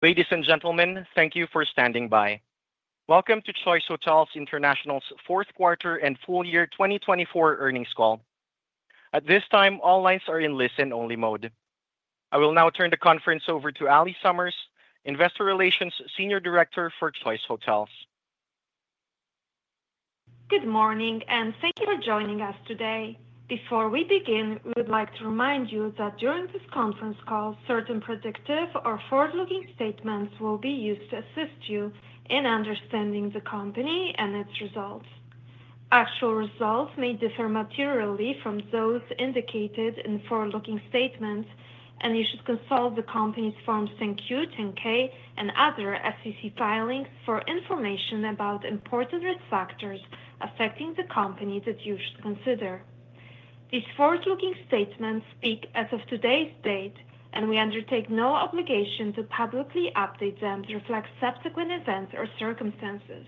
Ladies and gentlemen, thank you for standing by. Welcome to Choice Hotels International's fourth quarter and full year 2024 earnings call. At this time, all lines are in listen-only mode. I will now turn the conference over to Allie Summers, Investor Relations Senior Director for Choice Hotels. Good morning, and thank you for joining us today. Before we begin, we would like to remind you that during this conference call, certain predictive or forward-looking statements will be used to assist you in understanding the company and its results. Actual results may differ materially from those indicated in forward-looking statements, and you should consult the company's Forms 10-Q, 10-K, and other SEC filings for information about important risk factors affecting the company that you should consider. These forward-looking statements speak as of today's date, and we undertake no obligation to publicly update them to reflect subsequent events or circumstances.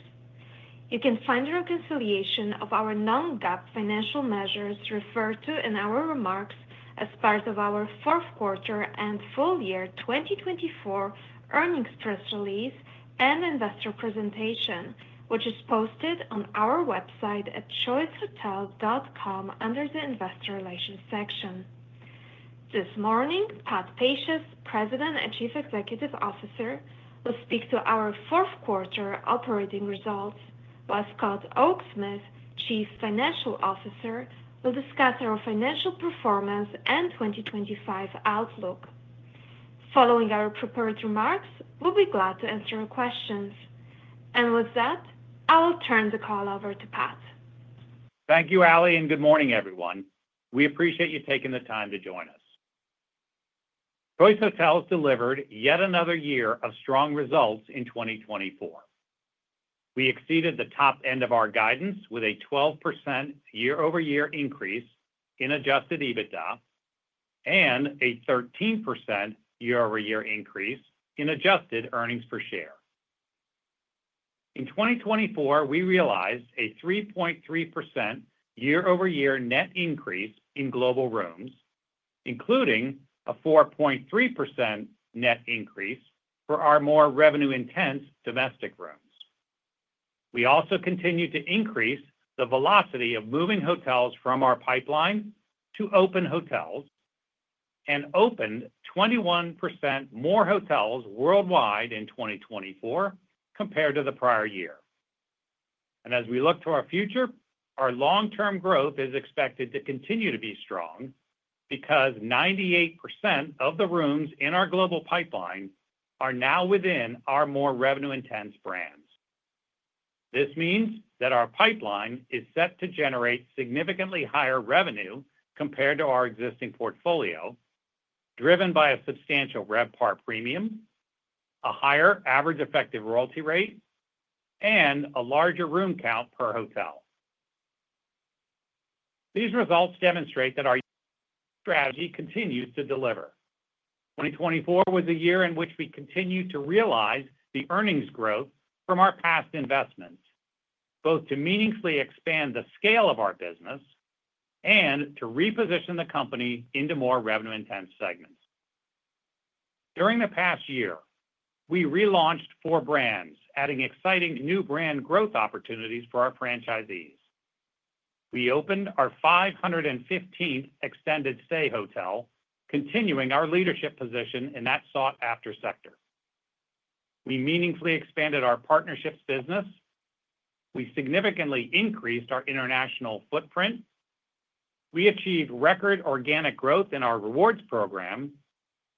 You can find the reconciliation of our non-GAAP financial measures referred to in our remarks as part of our fourth quarter and full year 2024 earnings press release and investor presentation, which is posted on our website at choicehotels.com under the Investor Relations section. This morning, Pat Pacious, President and Chief Executive Officer, will speak to our fourth quarter operating results, while Scott Oaksmith, Chief Financial Officer, will discuss our financial performance and 2025 outlook. Following our prepared remarks, we'll be glad to answer your questions. And with that, I will turn the call over to Pat. Thank you, Allie, and good morning, everyone. We appreciate you taking the time to join us. Choice Hotels delivered yet another year of strong results in 2024. We exceeded the top end of our guidance with a 12% year-over-year increase in Adjusted EBITDA and a 13% year-over-year increase in Adjusted Earnings per Share. In 2024, we realized a 3.3% year-over-year net increase in global rooms, including a 4.3% net increase for our more revenue-intense domestic rooms. We also continued to increase the velocity of moving hotels from our pipeline to open hotels and opened 21% more hotels worldwide in 2024 compared to the prior year, and as we look to our future, our long-term growth is expected to continue to be strong because 98% of the rooms in our global pipeline are now within our more revenue-intense brands. This means that our pipeline is set to generate significantly higher revenue compared to our existing portfolio, driven by a substantial RevPAR premium, a higher average effective royalty rate, and a larger room count per hotel. These results demonstrate that our strategy continues to deliver. 2024 was a year in which we continued to realize the earnings growth from our past investments, both to meaningfully expand the scale of our business and to reposition the company into more revenue-intense segments. During the past year, we relaunched four brands, adding exciting new brand growth opportunities for our franchisees. We opened our 515th extended stay hotel, continuing our leadership position in that sought-after sector. We meaningfully expanded our partnerships business. We significantly increased our international footprint. We achieved record organic growth in our rewards program,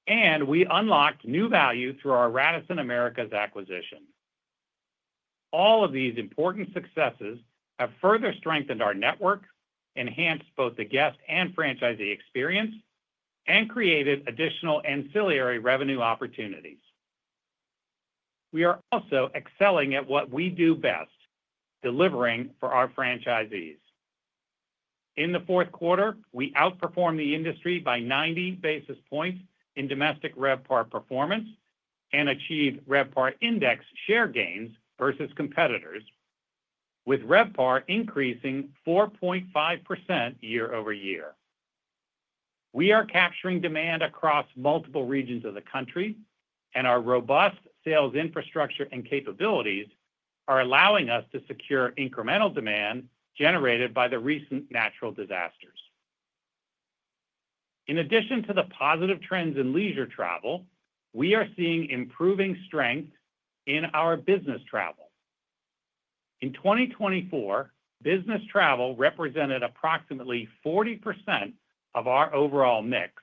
and we unlocked new value through our Radisson Americas acquisition. All of these important successes have further strengthened our network, enhanced both the guest and franchisee experience, and created additional ancillary revenue opportunities. We are also excelling at what we do best: delivering for our franchisees. In the fourth quarter, we outperformed the industry by 90 basis points in domestic RevPAR performance and achieved RevPAR Index share gains versus competitors, with RevPAR increasing 4.5% year-over-year. We are capturing demand across multiple regions of the country, and our robust sales infrastructure and capabilities are allowing us to secure incremental demand generated by the recent natural disasters. In addition to the positive trends in leisure travel, we are seeing improving strength in our business travel. In 2024, business travel represented approximately 40% of our overall mix,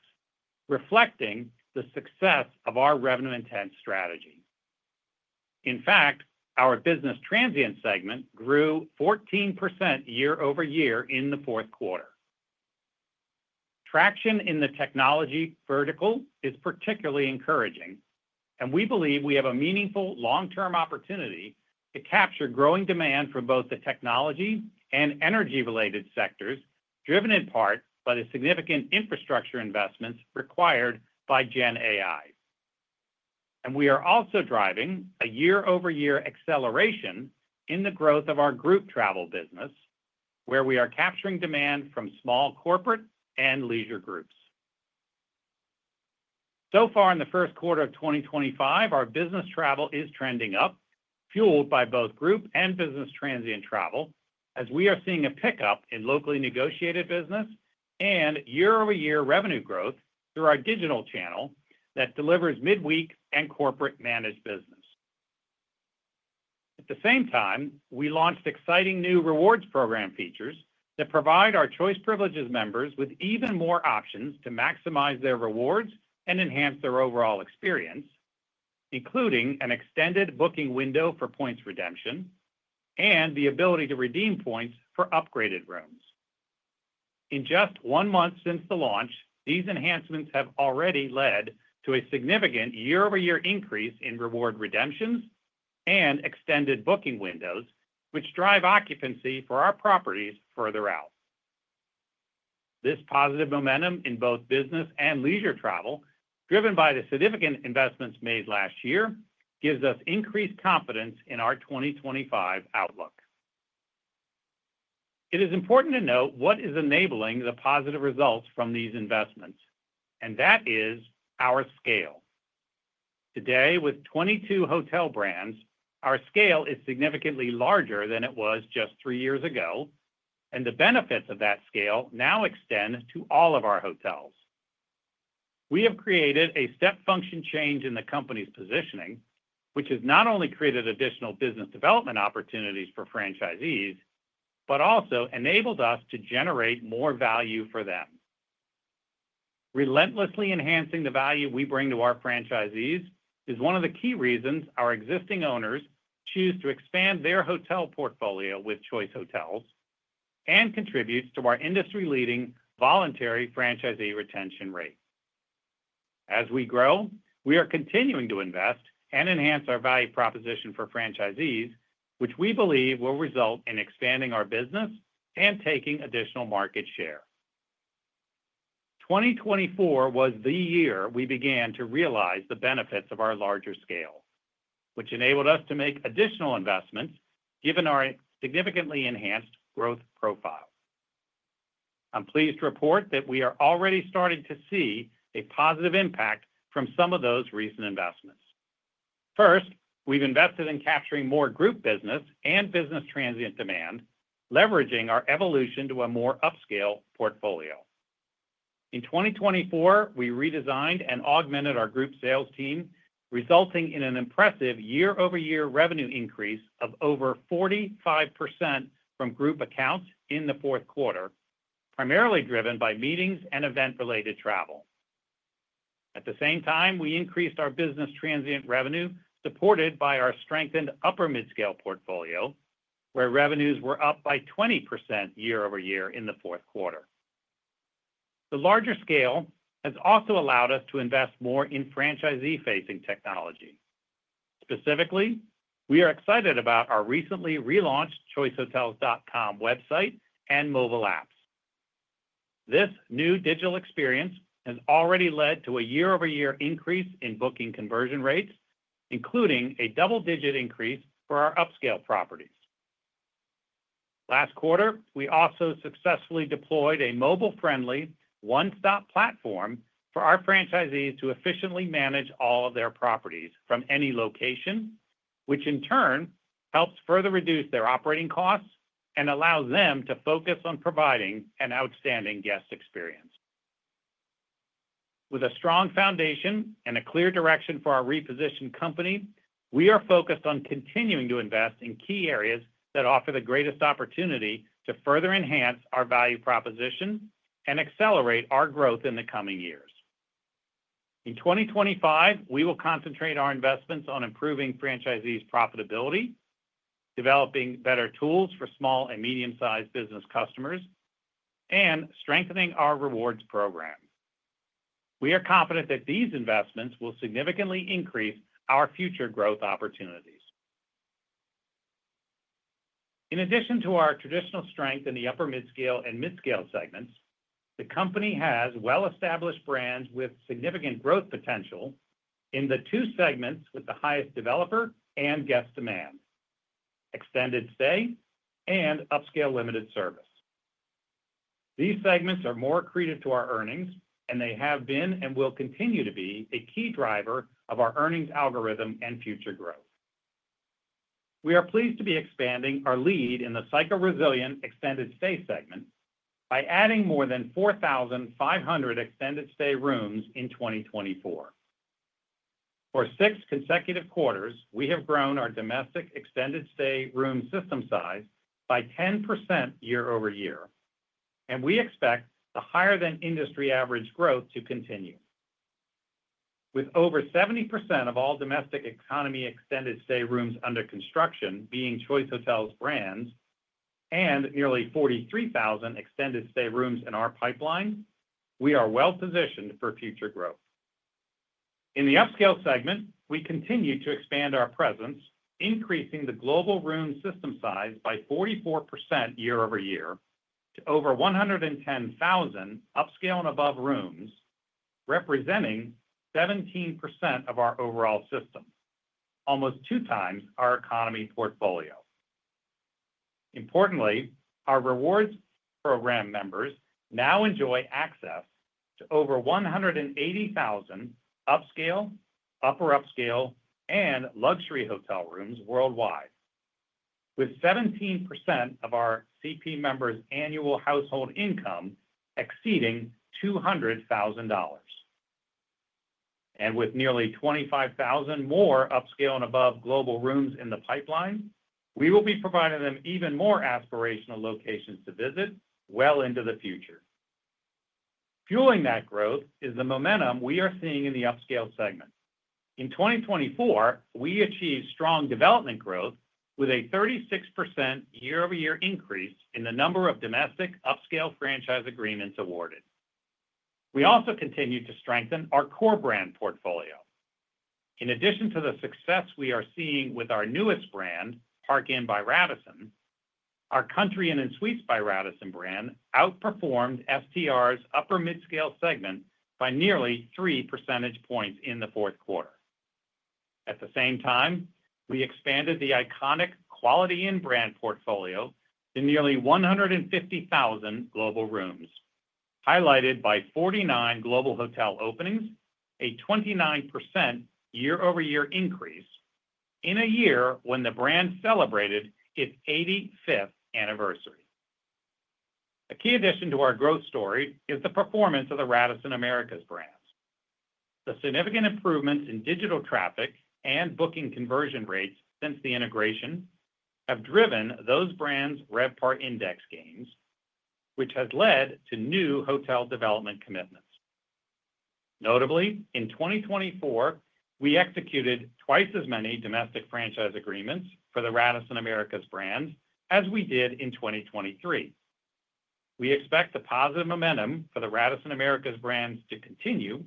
reflecting the success of our revenue-intense strategy. In fact, our business transient segment grew 14% year-over-year in the fourth quarter. Traction in the technology vertical is particularly encouraging, and we believe we have a meaningful long-term opportunity to capture growing demand for both the technology and energy-related sectors, driven in part by the significant infrastructure investments required by GenAI. And we are also driving a year-over-year acceleration in the growth of our group travel business, where we are capturing demand from small corporate and leisure groups. So far in the first quarter of 2025, our business travel is trending up, fueled by both group and business transient travel, as we are seeing a pickup in locally negotiated business and year-over-year revenue growth through our digital channel that delivers midweek and corporate-managed business. At the same time, we launched exciting new rewards program features that provide our Choice Privileges members with even more options to maximize their rewards and enhance their overall experience, including an extended booking window for points redemption and the ability to redeem points for upgraded rooms. In just one month since the launch, these enhancements have already led to a significant year-over-year increase in reward redemptions and extended booking windows, which drive occupancy for our properties further out. This positive momentum in both business and leisure travel, driven by the significant investments made last year, gives us increased confidence in our 2025 outlook. It is important to note what is enabling the positive results from these investments, and that is our scale. Today, with 22 hotel brands, our scale is significantly larger than it was just three years ago, and the benefits of that scale now extend to all of our hotels. We have created a step function change in the company's positioning, which has not only created additional business development opportunities for franchisees, but also enabled us to generate more value for them. Relentlessly enhancing the value we bring to our franchisees is one of the key reasons our existing owners choose to expand their hotel portfolio with Choice Hotels and contributes to our industry-leading voluntary franchisee retention rate. As we grow, we are continuing to invest and enhance our value proposition for franchisees, which we believe will result in expanding our business and taking additional market share. 2024 was the year we began to realize the benefits of our larger scale, which enabled us to make additional investments, given our significantly enhanced growth profile. I'm pleased to report that we are already starting to see a positive impact from some of those recent investments. First, we've invested in capturing more group business and business transient demand, leveraging our evolution to a more upscale portfolio. In 2024, we redesigned and augmented our group sales team, resulting in an impressive year-over-year revenue increase of over 45% from group accounts in the fourth quarter, primarily driven by meetings and event-related travel. At the same time, we increased our business transient revenue supported by our strengthened upper-mid-scale portfolio, where revenues were up by 20% year-over-year in the fourth quarter. The larger scale has also allowed us to invest more in franchisee-facing technology. Specifically, we are excited about our recently relaunched choicehotels.com website and mobile apps. This new digital experience has already led to a year-over-year increase in booking conversion rates, including a double-digit increase for our upscale properties. Last quarter, we also successfully deployed a mobile-friendly one-stop platform for our franchisees to efficiently manage all of their properties from any location, which in turn helps further reduce their operating costs and allows them to focus on providing an outstanding guest experience. With a strong foundation and a clear direction for our repositioned company, we are focused on continuing to invest in key areas that offer the greatest opportunity to further enhance our value proposition and accelerate our growth in the coming years. In 2025, we will concentrate our investments on improving franchisees' profitability, developing better tools for small and medium-sized business customers, and strengthening our rewards program. We are confident that these investments will significantly increase our future growth opportunities. In addition to our traditional strength in the upper-mid-scale and mid-scale segments, the company has well-established brands with significant growth potential in the two segments with the highest developer and guest demand: extended stay and upscale limited service. These segments are more accretive to our earnings, and they have been and will continue to be a key driver of our earnings algorithm and future growth. We are pleased to be expanding our lead in the recession-resilient extended stay segment by adding more than 4,500 extended stay rooms in 2024. For six consecutive quarters, we have grown our domestic extended stay room system size by 10% year-over-year, and we expect the higher-than-industry average growth to continue. With over 70% of all domestic economy extended stay rooms under construction being Choice Hotels brands and nearly 43,000 extended stay rooms in our pipeline, we are well-positioned for future growth. In the upscale segment, we continue to expand our presence, increasing the global room system size by 44% year-over-year to over 110,000 upscale and above rooms, representing 17% of our overall system, almost two times our economy portfolio. Importantly, our rewards program members now enjoy access to over 180,000 upscale, upper-upscale, and luxury hotel rooms worldwide, with 17% of our CP members' annual household income exceeding $200,000, and with nearly 25,000 more upscale and above global rooms in the pipeline, we will be providing them even more aspirational locations to visit well into the future. Fueling that growth is the momentum we are seeing in the upscale segment. In 2024, we achieved strong development growth with a 36% year-over-year increase in the number of domestic upscale franchise agreements awarded. We also continue to strengthen our core brand portfolio. In addition to the success we are seeing with our newest brand, Park Inn by Radisson, our Country Inn & Suites by Radisson brand outperformed STR's upper-mid-scale segment by nearly 3 percentage points in the fourth quarter. At the same time, we expanded the iconic Quality Inn brand portfolio to nearly 150,000 global rooms, highlighted by 49 global hotel openings, a 29% year-over-year increase in a year when the brand celebrated its 85th anniversary. A key addition to our growth story is the performance of the Radisson Americas brands. The significant improvements in digital traffic and booking conversion rates since the integration have driven those brands' RevPAR Index gains, which has led to new hotel development commitments. Notably, in 2024, we executed twice as many domestic franchise agreements for the Radisson Americas' brands as we did in 2023. We expect the positive momentum for the Radisson Americas' brands to continue,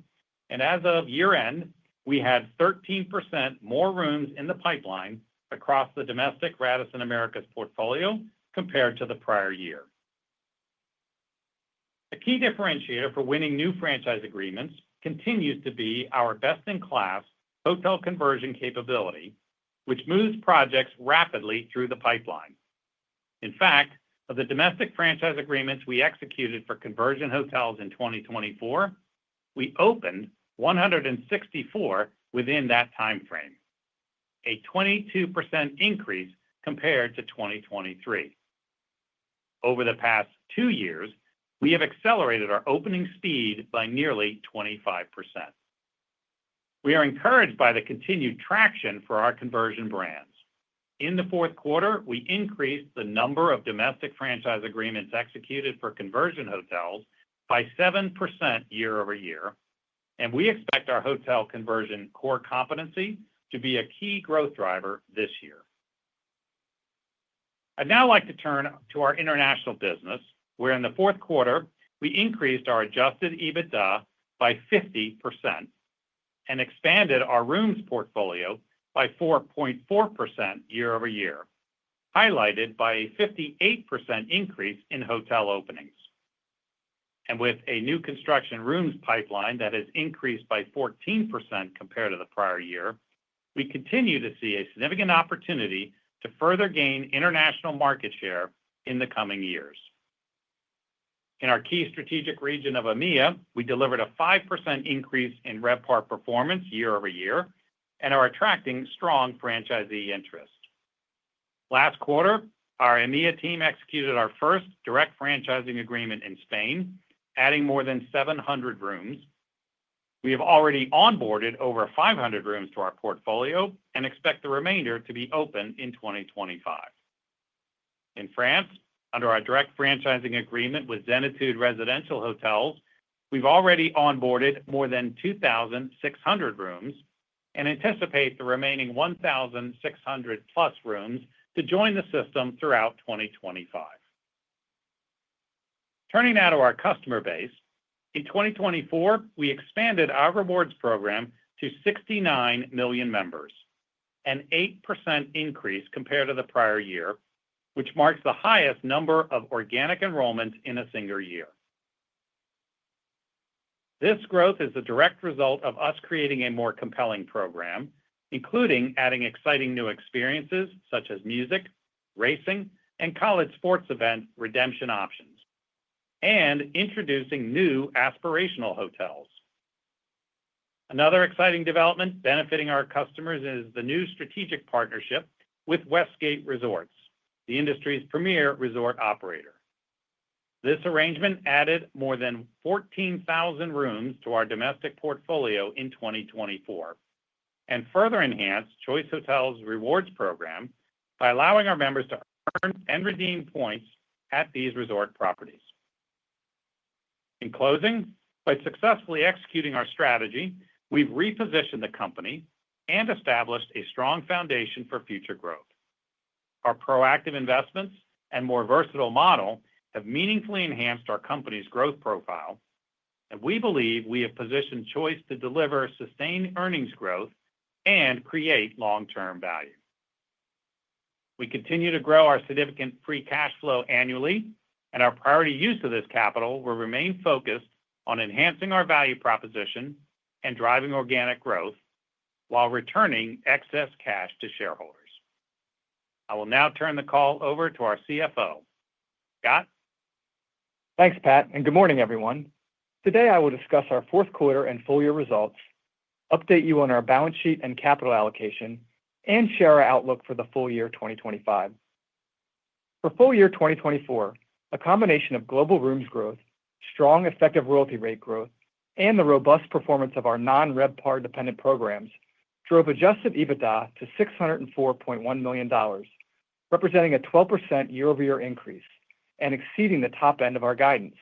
and as of year-end, we had 13% more rooms in the pipeline across the domestic Radisson Americas' portfolio compared to the prior year. A key differentiator for winning new franchise agreements continues to be our best-in-class hotel conversion capability, which moves projects rapidly through the pipeline. In fact, of the domestic franchise agreements we executed for conversion hotels in 2024, we opened 164 within that timeframe, a 22% increase compared to 2023. Over the past two years, we have accelerated our opening speed by nearly 25%. We are encouraged by the continued traction for our conversion brands. In the fourth quarter, we increased the number of domestic franchise agreements executed for conversion hotels by 7% year-over-year, and we expect our hotel conversion core competency to be a key growth driver this year. I'd now like to turn to our international business, where in the fourth quarter, we increased our Adjusted EBITDA by 50% and expanded our rooms portfolio by 4.4% year-over-year, highlighted by a 58% increase in hotel openings. With a new construction rooms pipeline that has increased by 14% compared to the prior year, we continue to see a significant opportunity to further gain international market share in the coming years. In our key strategic region of EMEA, we delivered a 5% increase in RevPAR performance year-over-year and are attracting strong franchisee interest. Last quarter, our EMEA team executed our first direct franchising agreement in Spain, adding more than 700 rooms. We have already onboarded over 500 rooms to our portfolio and expect the remainder to be open in 2025. In France, under our direct franchising agreement with Zenitude Residential Hotels, we've already onboarded more than 2,600 rooms and anticipate the remaining 1,600-plus rooms to join the system throughout 2025. Turning now to our customer base, in 2024, we expanded our rewards program to 69 million members, an 8% increase compared to the prior year, which marks the highest number of organic enrollments in a single year. This growth is the direct result of us creating a more compelling program, including adding exciting new experiences such as music, racing, and college sports event redemption options, and introducing new aspirational hotels. Another exciting development benefiting our customers is the new strategic partnership with Westgate Resorts, the industry's premier resort operator. This arrangement added more than 14,000 rooms to our domestic portfolio in 2024 and further enhanced Choice Hotels' rewards program by allowing our members to earn and redeem points at these resort properties. In closing, by successfully executing our strategy, we've repositioned the company and established a strong foundation for future growth. Our proactive investments and more versatile model have meaningfully enhanced our company's growth profile, and we believe we have positioned Choice to deliver sustained earnings growth and create long-term value. We continue to grow our significant free cash flow annually, and our priority use of this capital will remain focused on enhancing our value proposition and driving organic growth while returning excess cash to shareholders. I will now turn the call over to our CFO, Scott. Thanks, Pat, and good morning, everyone. Today, I will discuss our fourth quarter and full year results, update you on our balance sheet and capital allocation, and share our outlook for the full year 2025. For full year 2024, a combination of global rooms growth, strong effective royalty rate growth, and the robust performance of our non-RevPAR dependent programs drove adjusted EBITDA to $604.1 million, representing a 12% year-over-year increase and exceeding the top end of our guidance.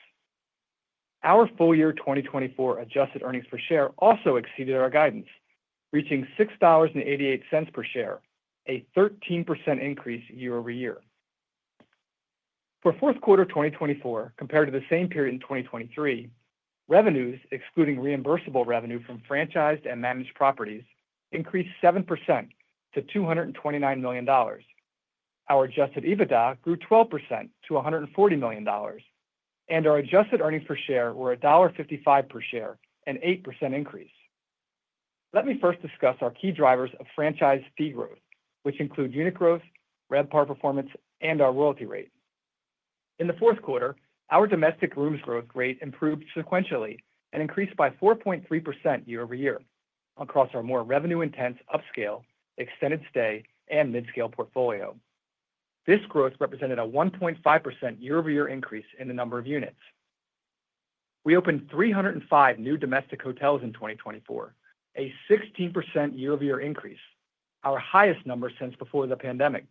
Our full year 2024 adjusted earnings per share also exceeded our guidance, reaching $6.88 per share, a 13% increase year-over-year. For fourth quarter 2024, compared to the same period in 2023, revenues, excluding reimbursable revenue from franchised and managed properties, increased 7% to $229 million. Our adjusted EBITDA grew 12% to $140 million, and our adjusted earnings per share were $1.55 per share, an 8% increase. Let me first discuss our key drivers of franchise fee growth, which include unit growth, RevPAR performance, and our royalty rate. In the fourth quarter, our domestic rooms growth rate improved sequentially and increased by 4.3% year-over-year across our more revenue-intense upscale, extended stay, and mid-scale portfolio. This growth represented a 1.5% year-over-year increase in the number of units. We opened 305 new domestic hotels in 2024, a 16% year-over-year increase, our highest number since before the pandemic.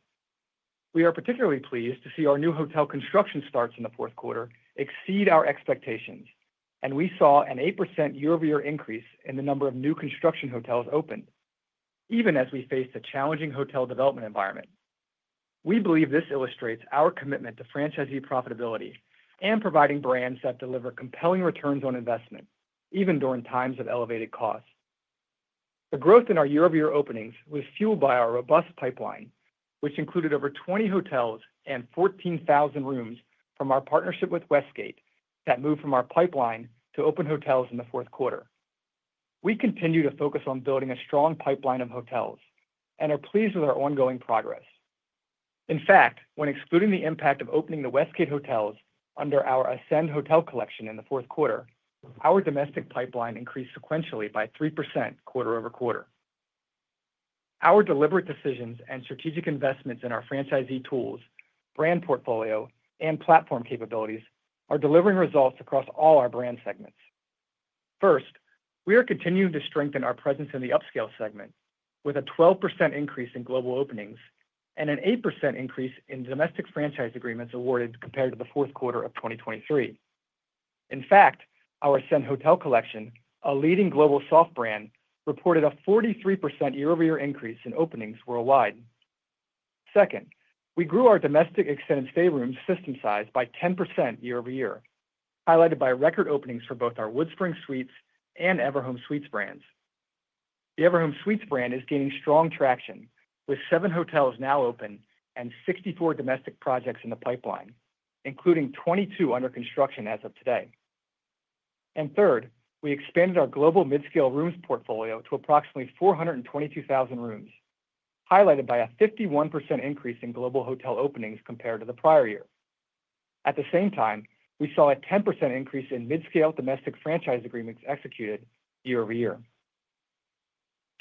We are particularly pleased to see our new hotel construction starts in the fourth quarter exceed our expectations, and we saw an 8% year-over-year increase in the number of new construction hotels opened, even as we faced a challenging hotel development environment. We believe this illustrates our commitment to franchisee profitability and providing brands that deliver compelling returns on investment, even during times of elevated costs. The growth in our year-over-year openings was fueled by our robust pipeline, which included over 20 hotels and 14,000 rooms from our partnership with Westgate that moved from our pipeline to open hotels in the fourth quarter. We continue to focus on building a strong pipeline of hotels and are pleased with our ongoing progress. In fact, when excluding the impact of opening the Westgate Hotels under our Ascend Hotel Collection in the fourth quarter, our domestic pipeline increased sequentially by 3% quarter over quarter. Our deliberate decisions and strategic investments in our franchisee tools, brand portfolio, and platform capabilities are delivering results across all our brand segments. First, we are continuing to strengthen our presence in the upscale segment with a 12% increase in global openings and an 8% increase in domestic franchise agreements awarded compared to the fourth quarter of 2023. In fact, our Ascend Hotel Collection, a leading global soft brand, reported a 43% year-over-year increase in openings worldwide. Second, we grew our domestic extended stay rooms system size by 10% year-over-year, highlighted by record openings for both our WoodSpring Suites and Everhome Suites brands. The Everhome Suites brand is gaining strong traction with seven hotels now open and 64 domestic projects in the pipeline, including 22 under construction as of today. And third, we expanded our global mid-scale rooms portfolio to approximately 422,000 rooms, highlighted by a 51% increase in global hotel openings compared to the prior year. At the same time, we saw a 10% increase in mid-scale domestic franchise agreements executed year-over-year.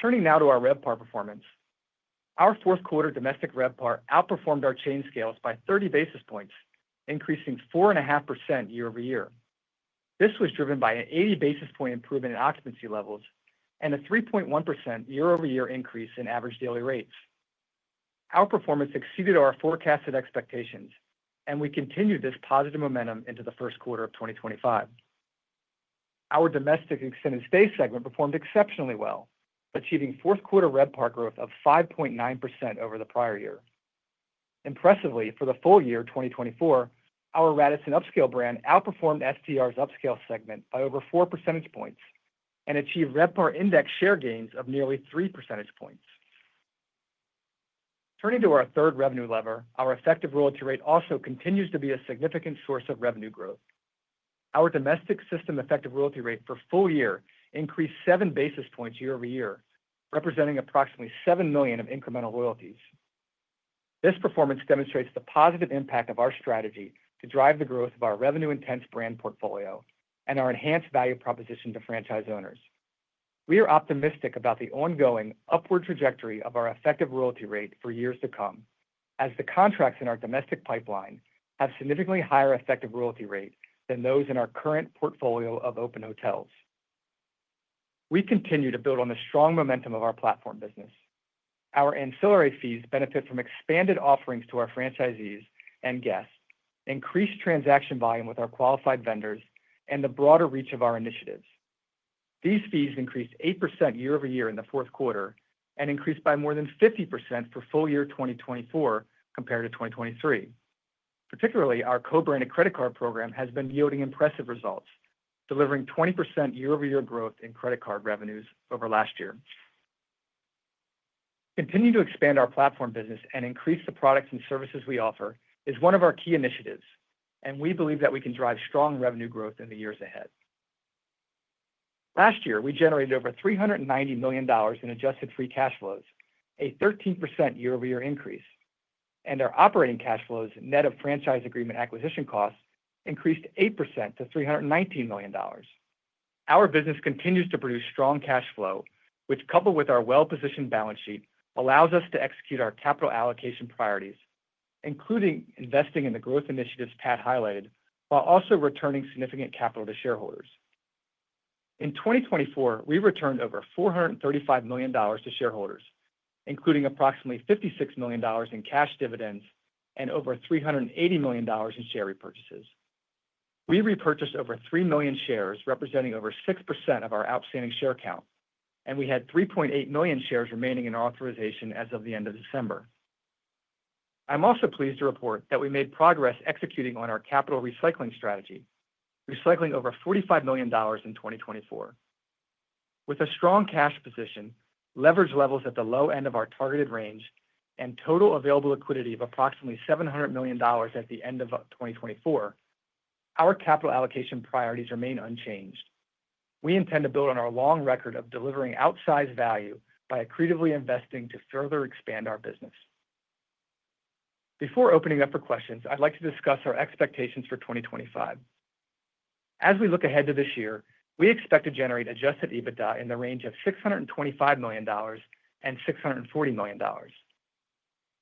Turning now to our RevPAR performance, our fourth quarter domestic RevPAR outperformed our chain scales by 30 basis points, increasing 4.5% year-over-year. This was driven by an 80 basis points improvement in occupancy levels and a 3.1% year-over-year increase in average daily rates. Our performance exceeded our forecasted expectations, and we continued this positive momentum into the first quarter of 2025. Our domestic extended stay segment performed exceptionally well, achieving fourth quarter RevPAR growth of 5.9% over the prior year. Impressively, for the full year 2024, our Radisson upscale brand outperformed STR's upscale segment by over 4 percentage points and achieved RevPAR Index share gains of nearly 3 percentage points. Turning to our third revenue lever, our effective royalty rate also continues to be a significant source of revenue growth. Our domestic system effective royalty rate for full year increased 7 basis points year-over-year, representing approximately $7 million of incremental royalties. This performance demonstrates the positive impact of our strategy to drive the growth of our revenue-intense brand portfolio and our enhanced value proposition to franchise owners. We are optimistic about the ongoing upward trajectory of our effective royalty rate for years to come, as the contracts in our domestic pipeline have significantly higher effective royalty rate than those in our current portfolio of open hotels. We continue to build on the strong momentum of our platform business. Our ancillary fees benefit from expanded offerings to our franchisees and guests, increased transaction volume with our qualified vendors, and the broader reach of our initiatives. These fees increased 8% year-over-year in the fourth quarter and increased by more than 50% for full year 2024 compared to 2023. Particularly, our co-branded credit card program has been yielding impressive results, delivering 20% year-over-year growth in credit card revenues over last year. Continuing to expand our platform business and increase the products and services we offer is one of our key initiatives, and we believe that we can drive strong revenue growth in the years ahead. Last year, we generated over $390 million in adjusted free cash flows, a 13% year-over-year increase, and our operating cash flows net of franchise agreement acquisition costs increased 8% to $319 million. Our business continues to produce strong cash flow, which, coupled with our well-positioned balance sheet, allows us to execute our capital allocation priorities, including investing in the growth initiatives Pat highlighted, while also returning significant capital to shareholders. In 2024, we returned over $435 million to shareholders, including approximately $56 million in cash dividends and over $380 million in share repurchases. We repurchased over three million shares, representing over 6% of our outstanding share count, and we had 3.8 million shares remaining in authorization as of the end of December. I'm also pleased to report that we made progress executing on our capital recycling strategy, recycling over $45 million in 2024. With a strong cash position, leverage levels at the low end of our targeted range, and total available liquidity of approximately $700 million at the end of 2024, our capital allocation priorities remain unchanged. We intend to build on our long record of delivering outsized value by accretively investing to further expand our business. Before opening up for questions, I'd like to discuss our expectations for 2025. As we look ahead to this year, we expect to generate Adjusted EBITDA in the range of $625 million-$640 million.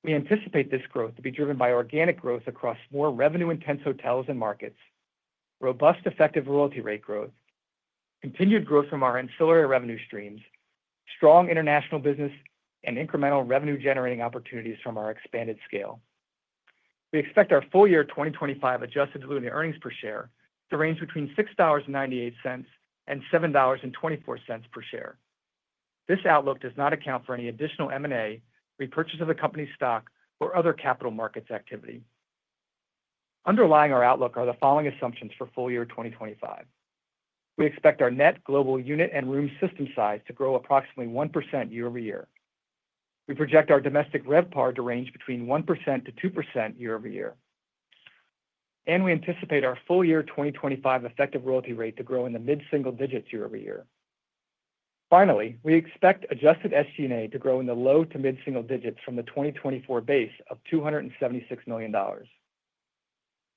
We anticipate this growth to be driven by organic growth across more revenue-intense hotels and markets, robust effective royalty rate growth, continued growth from our ancillary revenue streams, strong international business, and incremental revenue-generating opportunities from our expanded scale. We expect our full year 2025 adjusted diluted earnings per share to range between $6.98 and $7.24 per share. This outlook does not account for any additional M&A, repurchase of the company's stock, or other capital markets activity. Underlying our outlook are the following assumptions for full year 2025. We expect our net global unit and room system size to grow approximately 1% year-over-year. We project our domestic RevPAR to range between 1% to 2% year-over-year. And we anticipate our full year 2025 effective royalty rate to grow in the mid-single digits year-over-year. Finally, we expect adjusted SG&A to grow in the low to mid-single digits from the 2024 base of $276 million.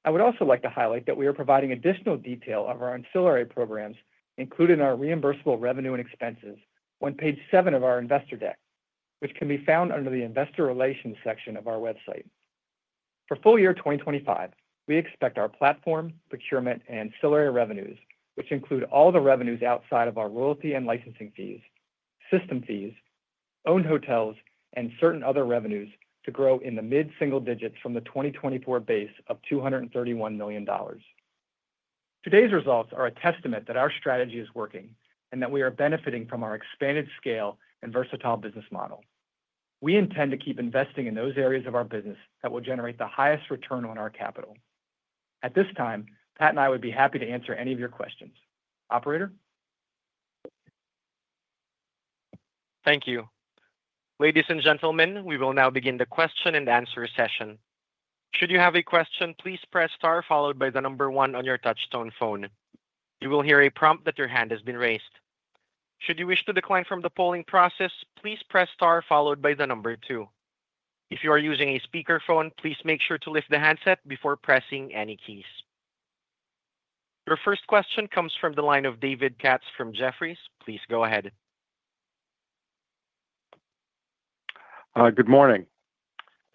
I would also like to highlight that we are providing additional detail of our ancillary programs, including our reimbursable revenue and expenses, on page seven of our investor deck, which can be found under the investor relations section of our website. For full year 2025, we expect our platform, procurement, and ancillary revenues, which include all the revenues outside of our royalty and licensing fees, system fees, owned hotels, and certain other revenues, to grow in the mid-single digits from the 2024 base of $231 million. Today's results are a testament that our strategy is working and that we are benefiting from our expanded scale and versatile business model. We intend to keep investing in those areas of our business that will generate the highest return on our capital. At this time, Pat and I would be happy to answer any of your questions. Operator? Thank you. Ladies and gentlemen, we will now begin the question and answer session. Should you have a question, please press star followed by the number one on your touch-tone phone. You will hear a prompt that your hand has been raised. Should you wish to decline from the polling process, please press star followed by the number two. If you are using a speakerphone, please make sure to lift the handset before pressing any keys. Your first question comes from the line of David Katz from Jefferies. Please go ahead. Good morning.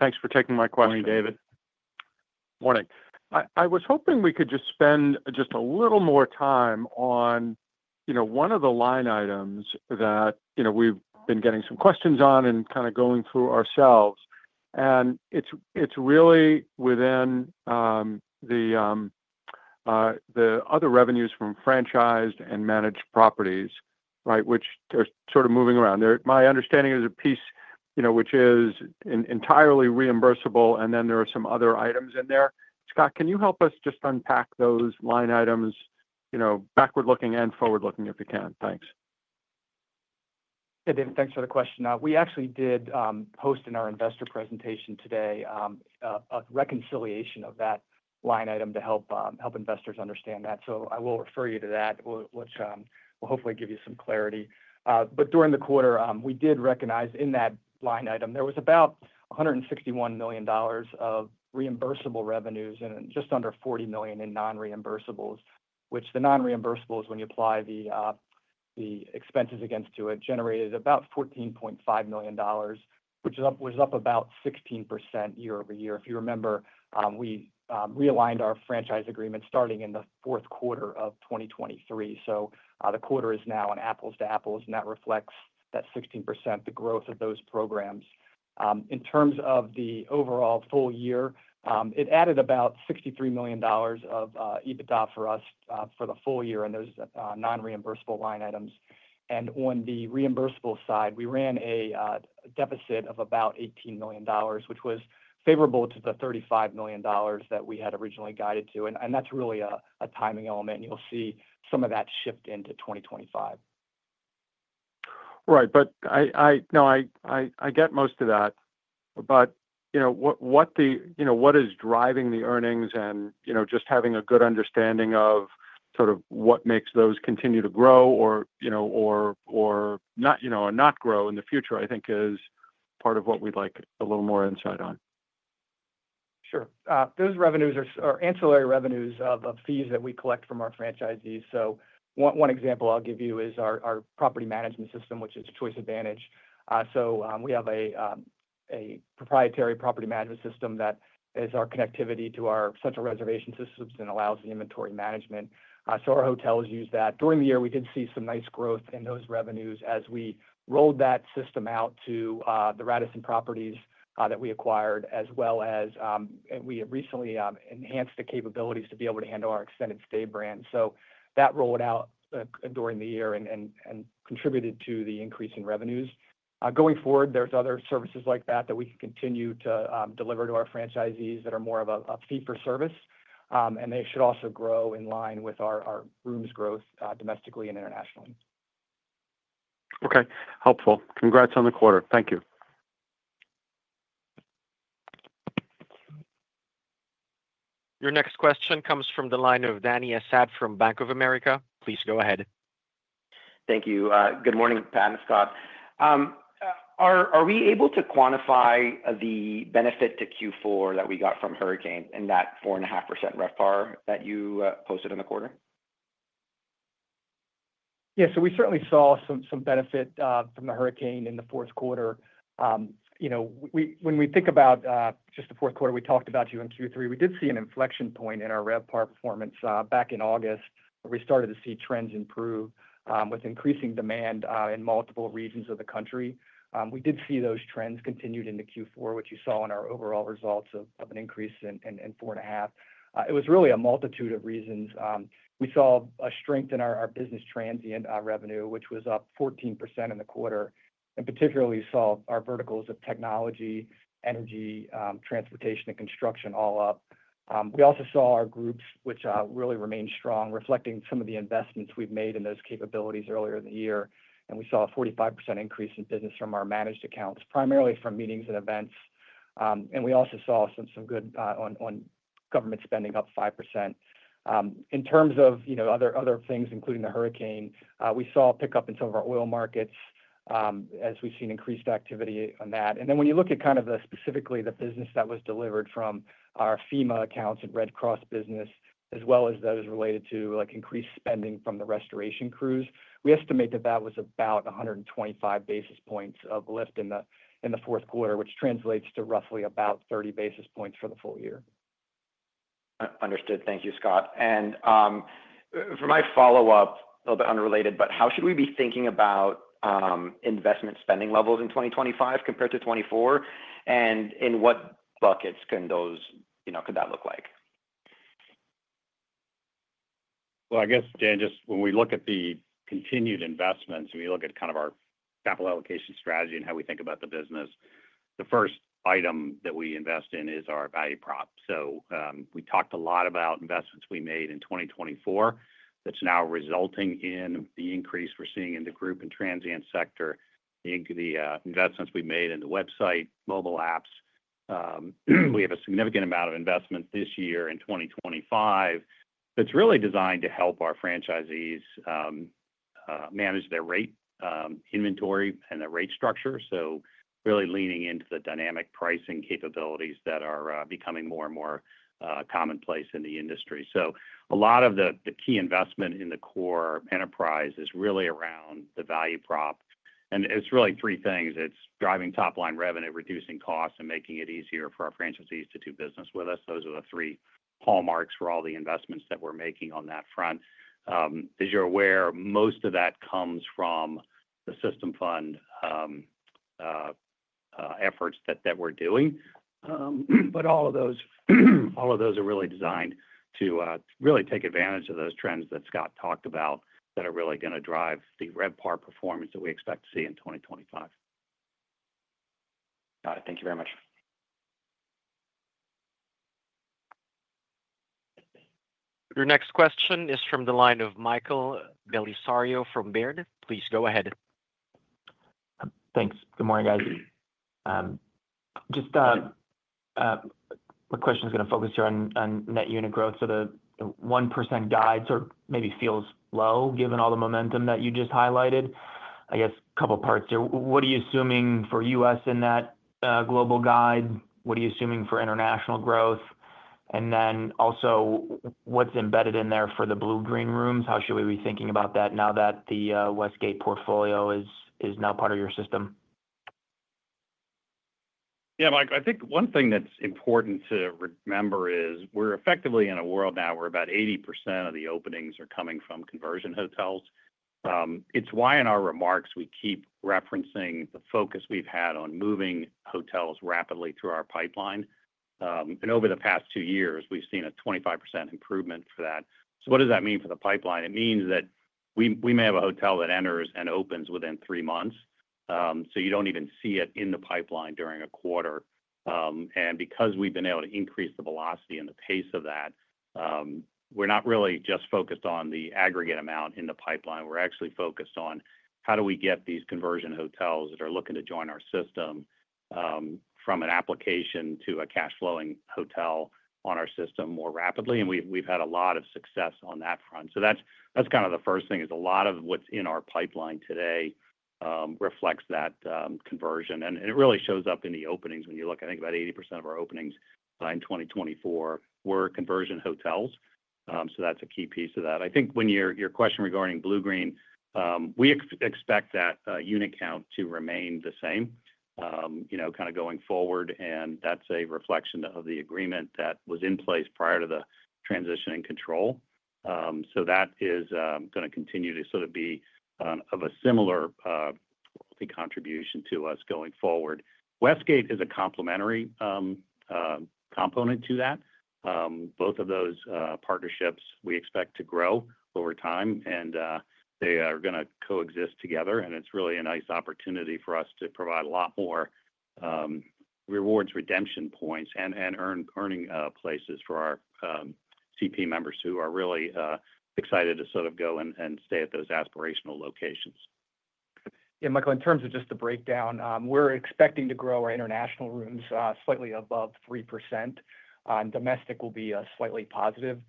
Thanks for taking my question, Morning David. Morning. I was hoping we could just spend just a little more time on, you know, one of the line items that, you know, we've been getting some questions on and kind of going through ourselves. And it's really within the other revenues from franchised and managed properties, right, which are sort of moving around. My understanding is a piece, you know, which is entirely reimbursable, and then there are some other items in there. Scott, can you help us just unpack those line items, you know, backward-looking and forward-looking if you can? Thanks. Hey, David, thanks for the question. We actually did post in our investor presentation today a reconciliation of that line item to help investors understand that. So I will refer you to that, which will hopefully give you some clarity. During the quarter, we did recognize in that line item there was about $161 million of reimbursable revenues and just under $40 million in non-reimbursables, which the non-reimbursables, when you apply the expenses against to it, generated about $14.5 million, which was up about 16% year-over-year. If you remember, we realigned our franchise agreement starting in the fourth quarter of 2023. So the quarter is now an apples-to-apples, and that reflects that 16%, the growth of those programs. In terms of the overall full year, it added about $63 million of EBITDA for us for the full year in those non-reimbursable line items. And on the reimbursable side, we ran a deficit of about $18 million, which was favorable to the $35 million that we had originally guided to. And that's really a timing element, and you'll see some of that shift into 2025. Right. But I know I get most of that, but, you know, what is driving the earnings and, you know, just having a good understanding of sort of what makes those continue to grow or, you know, or not grow in the future, I think, is part of what we'd like a little more insight on. Sure. Those revenues are ancillary revenues of fees that we collect from our franchisees. So one example I'll give you is our property management system, which is Choice Advantage. So we have a proprietary property management system that is our connectivity to our central reservation systems and allows the inventory management. So our hotels use that. During the year, we did see some nice growth in those revenues as we rolled that system out to the Radisson properties that we acquired, as well as we recently enhanced the capabilities to be able to handle our extended stay brand. So that rolled out during the year and contributed to the increase in revenues. Going forward, there's other services like that that we can continue to deliver to our franchisees that are more of a fee-for-service, and they should also grow in line with our rooms growth domestically and internationally. Okay. Helpful. Congrats on the quarter. Thank you. Your next question comes from the line of Dany Asad from Bank of America. Please go ahead. Thank you. Good morning, Pat and Scott. Are we able to quantify the benefit to Q4 that we got from Hurricane and that 4.5% RevPAR that you posted in the quarter? Yeah. So we certainly saw some benefit from the hurricane in the fourth quarter. You know, when we think about just the fourth quarter we talked about it in Q3, we did see an inflection point in our RevPAR performance back in August, where we started to see trends improve with increasing demand in multiple regions of the country. We did see those trends continued into Q4, which you saw in our overall results of an increase of 4.5%. It was really a multitude of reasons. We saw a strength in our business transient revenue, which was up 14% in the quarter, and particularly saw our verticals of technology, energy, transportation, and construction all up. We also saw our groups, which really remained strong, reflecting some of the investments we've made in those capabilities earlier in the year. We saw a 45% increase in business from our managed accounts, primarily from meetings and events. We also saw some good on government spending, up 5%. In terms of, you know, other things, including the hurricane, we saw a pickup in some of our oil markets, as we've seen increased activity on that. And then when you look at kind of specifically the business that was delivered from our FEMA accounts and Red Cross business, as well as those related to, like, increased spending from the restoration crews, we estimate that that was about 125 basis points of lift in the fourth quarter, which translates to roughly about 30 basis points for the full year. Understood. Thank you, Scott. And for my follow-up, a little bit unrelated, but how should we be thinking about investment spending levels in 2025 compared to 2024? And in what buckets can those, you know, could that look like? Well, I guess, Dan, just when we look at the continued investments, we look at kind of our capital allocation strategy and how we think about the business. The first item that we invest in is our value prop. So we talked a lot about investments we made in 2024 that's now resulting in the increase we're seeing in the group and transient sector, the investments we made in the website, mobile apps. We have a significant amount of investment this year in 2025 that's really designed to help our franchisees manage their rate inventory and their rate structure. So really leaning into the dynamic pricing capabilities that are becoming more and more commonplace in the industry. So a lot of the key investment in the core enterprise is really around the value prop. It's really three things. It's driving top-line revenue, reducing costs, and making it easier for our franchisees to do business with us. Those are the three hallmarks for all the investments that we're making on that front. As you're aware, most of that comes from the system fund efforts that we're doing. But all of those are really designed to really take advantage of those trends that Scott talked about that are really going to drive the RevPAR performance that we expect to see in 2025. Got it. Thank you very much. Your next question is from the line of Michael Bellisario from Baird. Please go ahead. Thanks. Good morning, guys. Just my question is going to focus here on net unit growth. So the 1% guide sort of maybe feels low given all the momentum that you just highlighted. I guess a couple of parts here. What are you assuming for us in that global guide? What are you assuming for international growth? And then also, what's embedded in there for the Bluegreen rooms? How should we be thinking about that now that the Westgate portfolio is now part of your system? Yeah, Mike, I think one thing that's important to remember is we're effectively in a world now where about 80% of the openings are coming from conversion hotels. It's why in our remarks we keep referencing the focus we've had on moving hotels rapidly through our pipeline. And over the past two years, we've seen a 25% improvement for that. So what does that mean for the pipeline? It means that we may have a hotel that enters and opens within three months. So you don't even see it in the pipeline during a quarter. Because we've been able to increase the velocity and the pace of that, we're not really just focused on the aggregate amount in the pipeline. We're actually focused on how do we get these conversion hotels that are looking to join our system from an application to a cash-flowing hotel on our system more rapidly. We've had a lot of success on that front. That's kind of the first thing is a lot of what's in our pipeline today reflects that conversion. It really shows up in the openings when you look. I think about 80% of our openings in 2024 were conversion hotels. That's a key piece of that. I think when your question regarding Bluegreen, we expect that unit count to remain the same, you know, kind of going forward. That's a reflection of the agreement that was in place prior to the transition and control. So that is going to continue to sort of be of a similar contribution to us going forward. Westgate is a complementary component to that. Both of those partnerships we expect to grow over time, and they are going to coexist together. And it's really a nice opportunity for us to provide a lot more rewards redemption points and earning places for our CP members who are really excited to sort of go and stay at those aspirational locations. Yeah, Michael, in terms of just the breakdown, we're expecting to grow our international rooms slightly above 3%. Domestic will be slightly positive.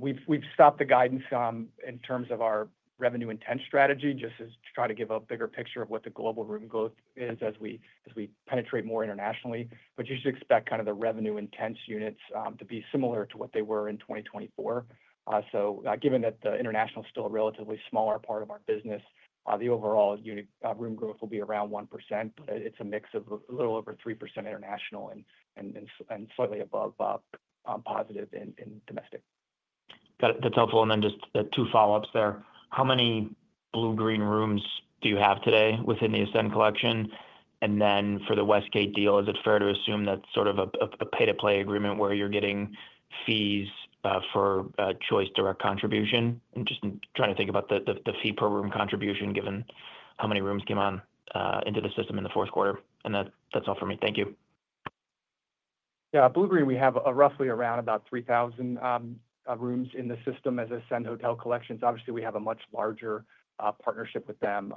We've stopped the guidance in terms of our revenue intent strategy, just to try to give a bigger picture of what the global room growth is as we penetrate more internationally. But you should expect kind of the revenue intent units to be similar to what they were in 2024. So given that the international is still a relatively smaller part of our business, the overall room growth will be around 1%, but it's a mix of a little over 3% international and slightly above positive in domestic. Got it. That's helpful. And then just two follow-ups there. How many Bluegreen rooms do you have today within the Ascend collection? And then for the Westgate deal, is it fair to assume that's sort of a pay-to-play agreement where you're getting fees for Choice direct contribution? And just trying to think about the fee per room contribution given how many rooms came on into the system in the fourth quarter. And that's all for me. Thank you. Yeah, Bluegreen, we have roughly around about 3,000 rooms in the system as Ascend Hotel Collection. Obviously, we have a much larger partnership with them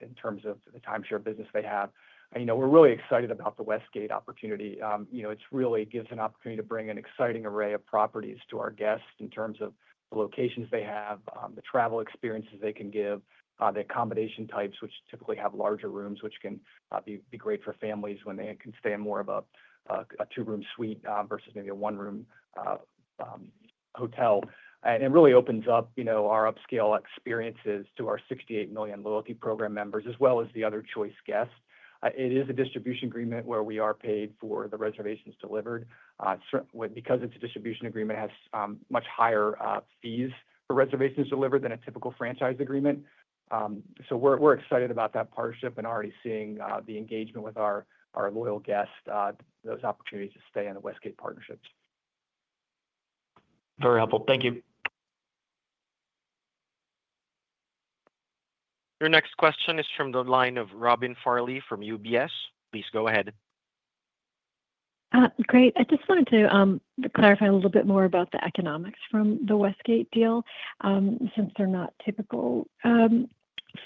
in terms of the timeshare business they have. And, you know, we're really excited about the Westgate opportunity. You know, it really gives an opportunity to bring an exciting array of properties to our guests in terms of the locations they have, the travel experiences they can give, the accommodation types, which typically have larger rooms, which can be great for families when they can stay in more of a two-room suite versus maybe a one-room hotel. And it really opens up, you know, our upscale experiences to our 68 million loyalty program members, as well as the other Choice guests. It is a distribution agreement where we are paid for the reservations delivered. Because it's a distribution agreement, it has much higher fees for reservations delivered than a typical franchise agreement. So we're excited about that partnership and already seeing the engagement with our loyal guests, those opportunities to stay in the Westgate partnerships. Very helpful. Thank you. Your next question is from the line of Robin Farley from UBS. Please go ahead. Great. I just wanted to clarify a little bit more about the economics from the Westgate deal. Since they're not typical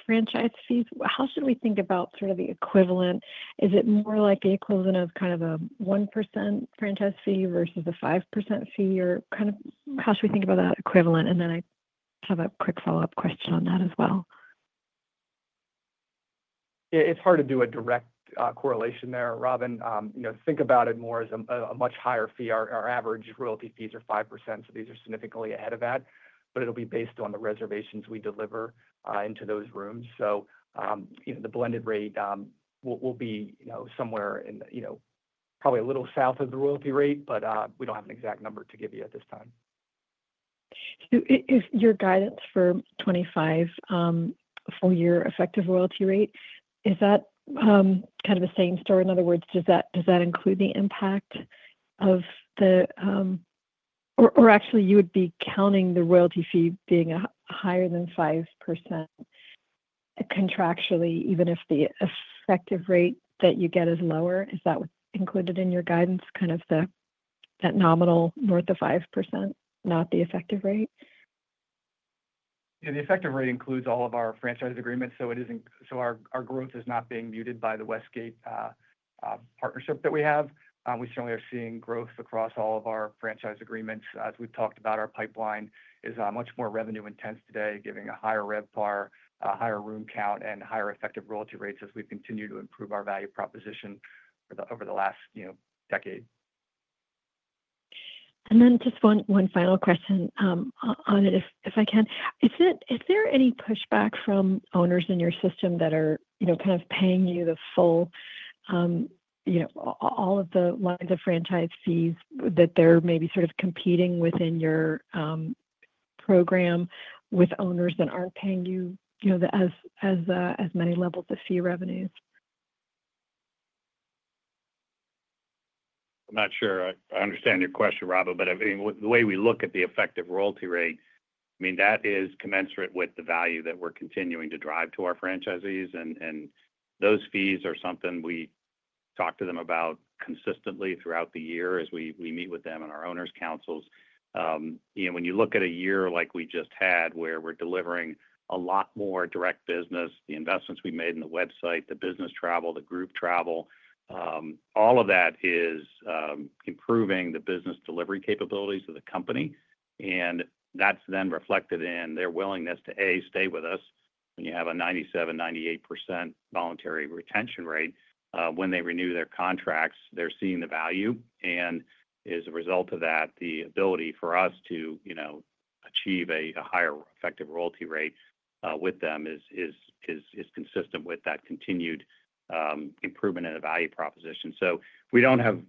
franchise fees, how should we think about sort of the equivalent? Is it more like the equivalent of kind of a 1% franchise fee versus a 5% fee? Or kind of how should we think about that equivalent? And then I have a quick follow-up question on that as well. Yeah, it's hard to do a direct correlation there, Robin. You know, think about it more as a much higher fee. Our average royalty fees are 5%, so these are significantly ahead of that. But it'll be based on the reservations we deliver into those rooms. So, you know, the blended rate will be somewhere in, you know, probably a little south of the royalty rate, but we don't have an exact number to give you at this time. Your guidance for 2025 for your effective royalty rate, is that kind of the same story? In other words, does that include the impact of the, or actually, you would be counting the royalty fee being higher than 5% contractually, even if the effective rate that you get is lower? Is that included in your guidance, kind of that nominal north of 5%, not the effective rate? Yeah, the effective rate includes all of our franchise agreements. So our growth is not being muted by the Westgate partnership that we have. We certainly are seeing growth across all of our franchise agreements. As we've talked about, our pipeline is much more revenue intense today, giving a higher RevPAR, higher room count, and higher effective royalty rates as we continue to improve our value proposition over the last decade. And then just one final question on it, if I can. Is there any pushback from owners in your system that are, you know, kind of paying you the full, you know, all of the lines of franchise fees that they're maybe sort of competing within your program with owners that aren't paying you, you know, as many levels of fee revenues? I'm not sure. I understand your question, Robin, but I mean, the way we look at the effective royalty rate, I mean, that is commensurate with the value that we're continuing to drive to our franchisees. And those fees are something we talk to them about consistently throughout the year as we meet with them in our owners' councils. You know, when you look at a year like we just had where we're delivering a lot more direct business, the investments we made in the website, the business travel, the group travel, all of that is improving the business delivery capabilities of the company. And that's then reflected in their willingness to, A, stay with us when you have a 97%-98% voluntary retention rate. When they renew their contracts, they're seeing the value. As a result of that, the ability for us to, you know, achieve a higher effective royalty rate with them is consistent with that continued improvement in the value proposition. So we don't have.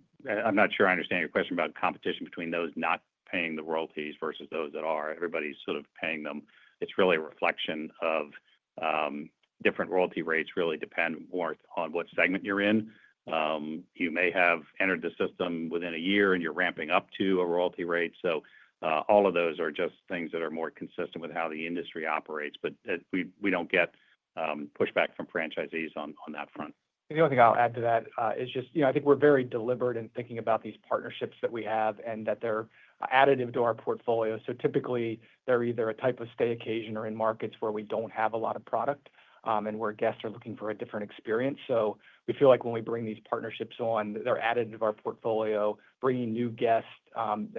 I'm not sure I understand your question about competition between those not paying the royalties versus those that are. Everybody's sort of paying them. It's really a reflection of different royalty rates really depend more on what segment you're in. You may have entered the system within a year and you're ramping up to a royalty rate. So all of those are just things that are more consistent with how the industry operates. But we don't get pushback from franchisees on that front. The only thing I'll add to that is just, you know, I think we're very deliberate in thinking about these partnerships that we have and that they're additive to our portfolio. So typically, they're either a type of stay occasion or in markets where we don't have a lot of product and where guests are looking for a different experience. So we feel like when we bring these partnerships on, they're added to our portfolio, bringing new guests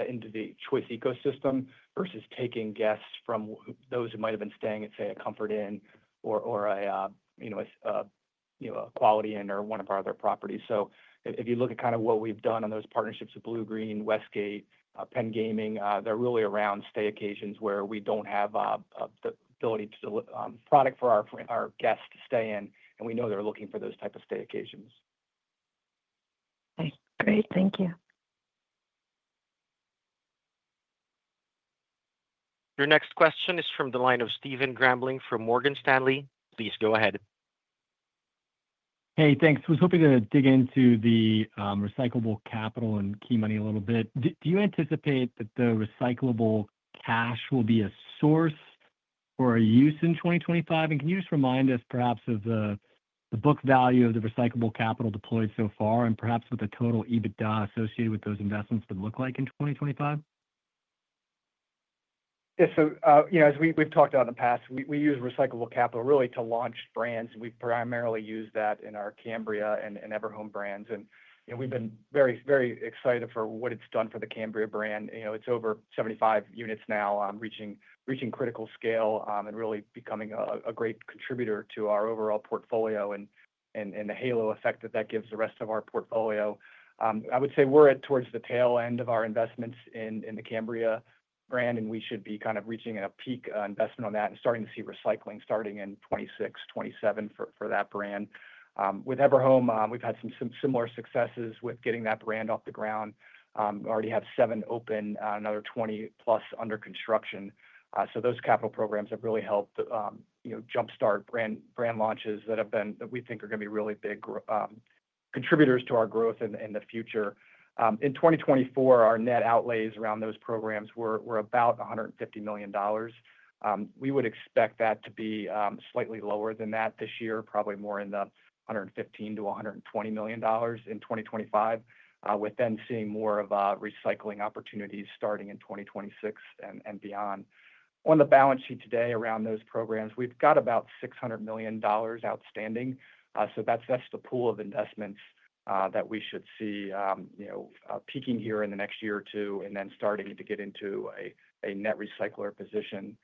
into the Choice ecosystem versus taking guests from those who might have been staying at, say, a Comfort Inn or a, you know, a Quality Inn or one of our other properties. So if you look at kind of what we've done on those partnerships with Bluegreen, Westgate, Penn Gaming, they're really around stay occasions where we don't have the ability to product for our guests to stay in. And we know they're looking for those types of stay occasions. Okay. Great. Thank you. Your next question is from the line of Stephen Grambling from Morgan Stanley. Please go ahead. Hey, thanks. I was hoping to dig into the recyclable capital and key money a little bit. Do you anticipate that the recyclable cash will be a source for a use in 2025? And can you just remind us perhaps of the book value of the recyclable capital deployed so far and perhaps what the total EBITDA associated with those investments would look like in 2025? Yeah. So, you know, as we've talked about in the past, we use recyclable capital really to launch brands. And we've primarily used that in our Cambria and Everhome brands. And, you know, we've been very, very excited for what it's done for the Cambria brand. You know, it's over 75 units now, reaching critical scale and really becoming a great contributor to our overall portfolio and the halo effect that that gives the rest of our portfolio. I would say we're towards the tail end of our investments in the Cambria brand, and we should be kind of reaching a peak investment on that and starting to see recycling starting in 2026, 2027 for that brand. With Everhome, we've had some similar successes with getting that brand off the ground. We already have seven open, another 20 plus under construction. So those capital programs have really helped, you know, jumpstart brand launches that have been—we think are going to be really big contributors to our growth in the future. In 2024, our net outlays around those programs were about $150 million. We would expect that to be slightly lower than that this year, probably more in the $115-$120 million in 2025, with then seeing more of recycling opportunities starting in 2026 and beyond. On the balance sheet today around those programs, we've got about $600 million outstanding. So that's the pool of investments that we should see, you know, peaking here in the next year or two and then starting to get into a net recycler position.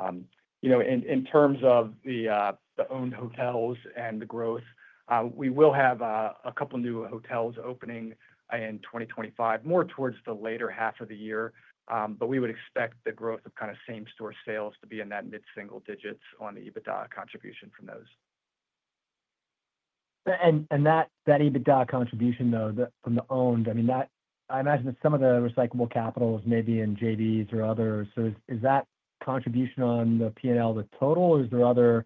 You know, in terms of the owned hotels and the growth, we will have a couple of new hotels opening in 2025, more towards the later half of the year. But we would expect the growth of kind of same-store sales to be in that mid-single digits on the EBITDA contribution from those. And that EBITDA contribution, though, from the owned, I mean, that I imagine that some of the recyclable capital is maybe in JVs or others. So is that contribution on the P&L the total, or is there other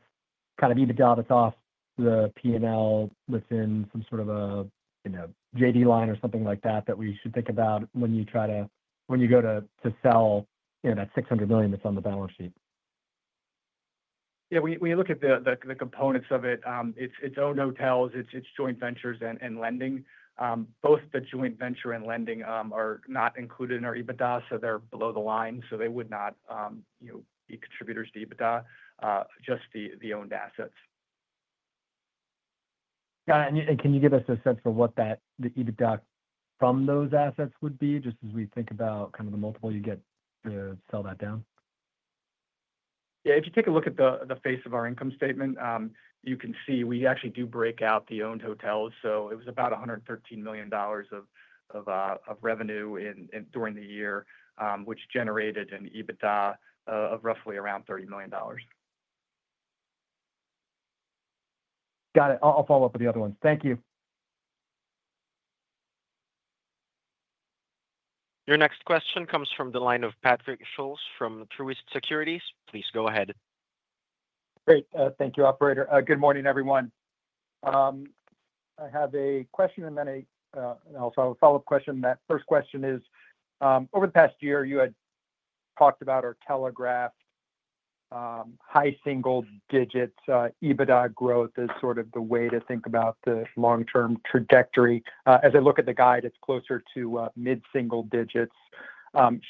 kind of EBITDA that's off the P&L that's in some sort of a, you know, JV line or something like that that we should think about when you go to sell, you know, that $600 million that's on the balance sheet? Yeah, when you look at the components of it, it's owned hotels, it's joint ventures, and lending. Both the joint venture and lending are not included in our EBITDA, so they're below the line. So they would not, you know, be contributors to EBITDA, just the owned assets. Got it. And can you give us a sense for what that EBITDA from those assets would be, just as we think about kind of the multiple you get to sell that down? Yeah. If you take a look at the face of our income statement, you can see we actually do break out the owned hotels. So it was about $113 million of revenue during the year, which generated an EBITDA of roughly around $30 million. Got it. I'll follow up with the other ones. Thank you. Your next question comes from the line of Patrick Scholes from Truist Securities. Please go ahead. Great. Thank you, Operator. Good morning, everyone. I have a question and then a—and also a follow-up question. That first question is, over the past year, you had talked about or telegraphed high single-digit EBITDA growth as sort of the way to think about the long-term trajectory. As I look at the guide, it's closer to mid-single digits.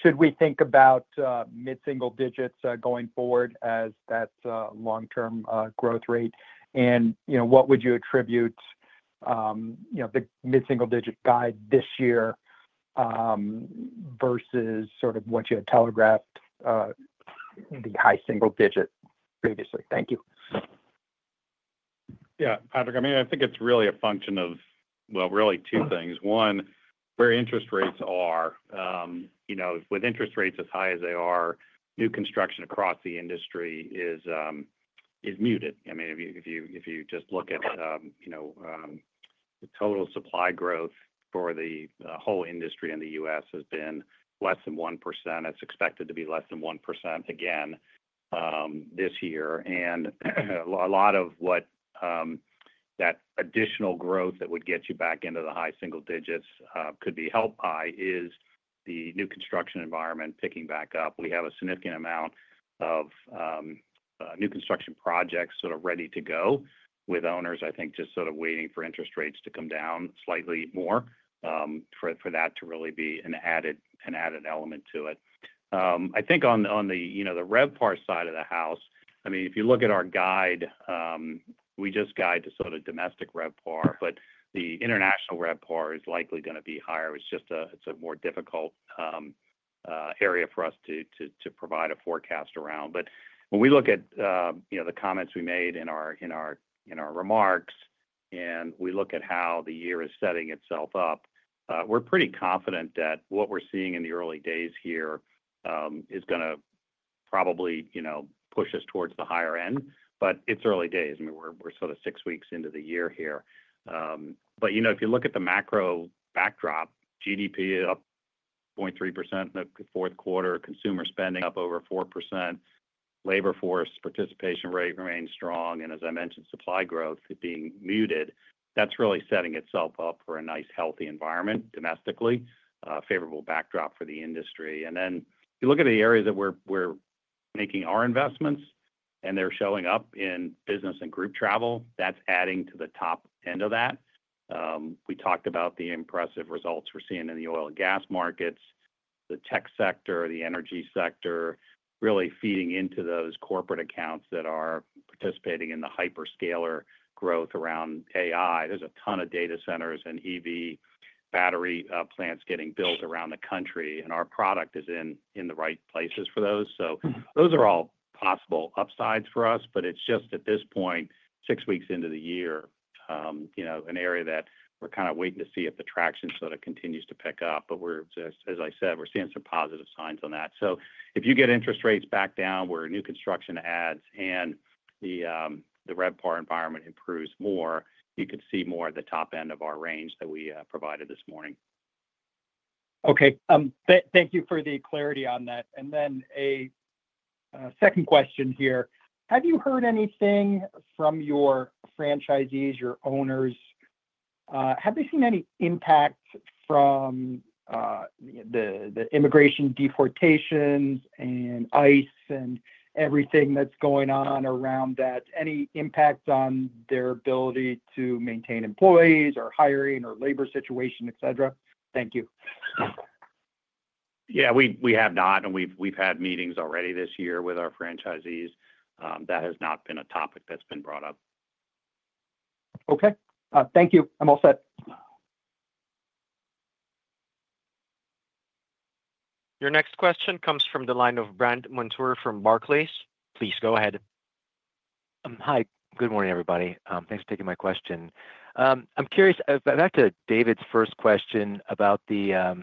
Should we think about mid-single digits going forward as that long-term growth rate? You know, what would you attribute, you know, the mid-single digit guide this year versus sort of what you had telegraphed, the high single digit previously? Thank you. Yeah, Patrick, I mean, I think it's really a function of, well, really two things. One, where interest rates are. You know, with interest rates as high as they are, new construction across the industry is muted. I mean, if you just look at, you know, the total supply growth for the whole industry in the U.S. has been less than 1%. It's expected to be less than 1% again this year. And a lot of what that additional growth that would get you back into the high single digits could be helped by is the new construction environment picking back up. We have a significant amount of new construction projects sort of ready to go with owners, I think, just sort of waiting for interest rates to come down slightly more for that to really be an added element to it. I think on the, you know, the RevPAR side of the house, I mean, if you look at our guide, we just guide to sort of domestic RevPAR, but the international RevPAR is likely going to be higher. It's just a, it's a more difficult area for us to provide a forecast around. But when we look at, you know, the comments we made in our remarks and we look at how the year is setting itself up, we're pretty confident that what we're seeing in the early days here is going to probably, you know, push us towards the higher end. But it's early days. I mean, we're sort of six weeks into the year here, but you know, if you look at the macro backdrop, GDP up 0.3% in the fourth quarter, consumer spending up over 4%, labor force participation rate remains strong, and as I mentioned, supply growth being muted, that's really setting itself up for a nice healthy environment domestically, a favorable backdrop for the industry, and then if you look at the areas that we're making our investments and they're showing up in business and group travel, that's adding to the top end of that. We talked about the impressive results we're seeing in the oil and gas markets, the tech sector, the energy sector really feeding into those corporate accounts that are participating in the hyperscaler growth around AI. There's a ton of data centers and EV battery plants getting built around the country. And our product is in the right places for those. So those are all possible upsides for us. But it's just at this point, six weeks into the year, you know, an area that we're kind of waiting to see if the traction sort of continues to pick up. But we're, as I said, we're seeing some positive signs on that. So if you get interest rates back down where new construction adds and the RevPAR environment improves more, you could see more at the top end of our range that we provided this morning. Okay. Thank you for the clarity on that. And then a second question here. Have you heard anything from your franchisees, your owners? Have they seen any impact from the immigration deportations and ICE and everything that's going on around that? Any impact on their ability to maintain employees or hiring or labor situation, etc.? Thank you. Yeah, we have not. And we've had meetings already this year with our franchisees. That has not been a topic that's been brought up. Okay. Thank you. I'm all set. Your next question comes from the line of Brandt Montour from Barclays. Please go ahead. Hi. Good morning, everybody. Thanks for taking my question. I'm curious, back to David's first question about the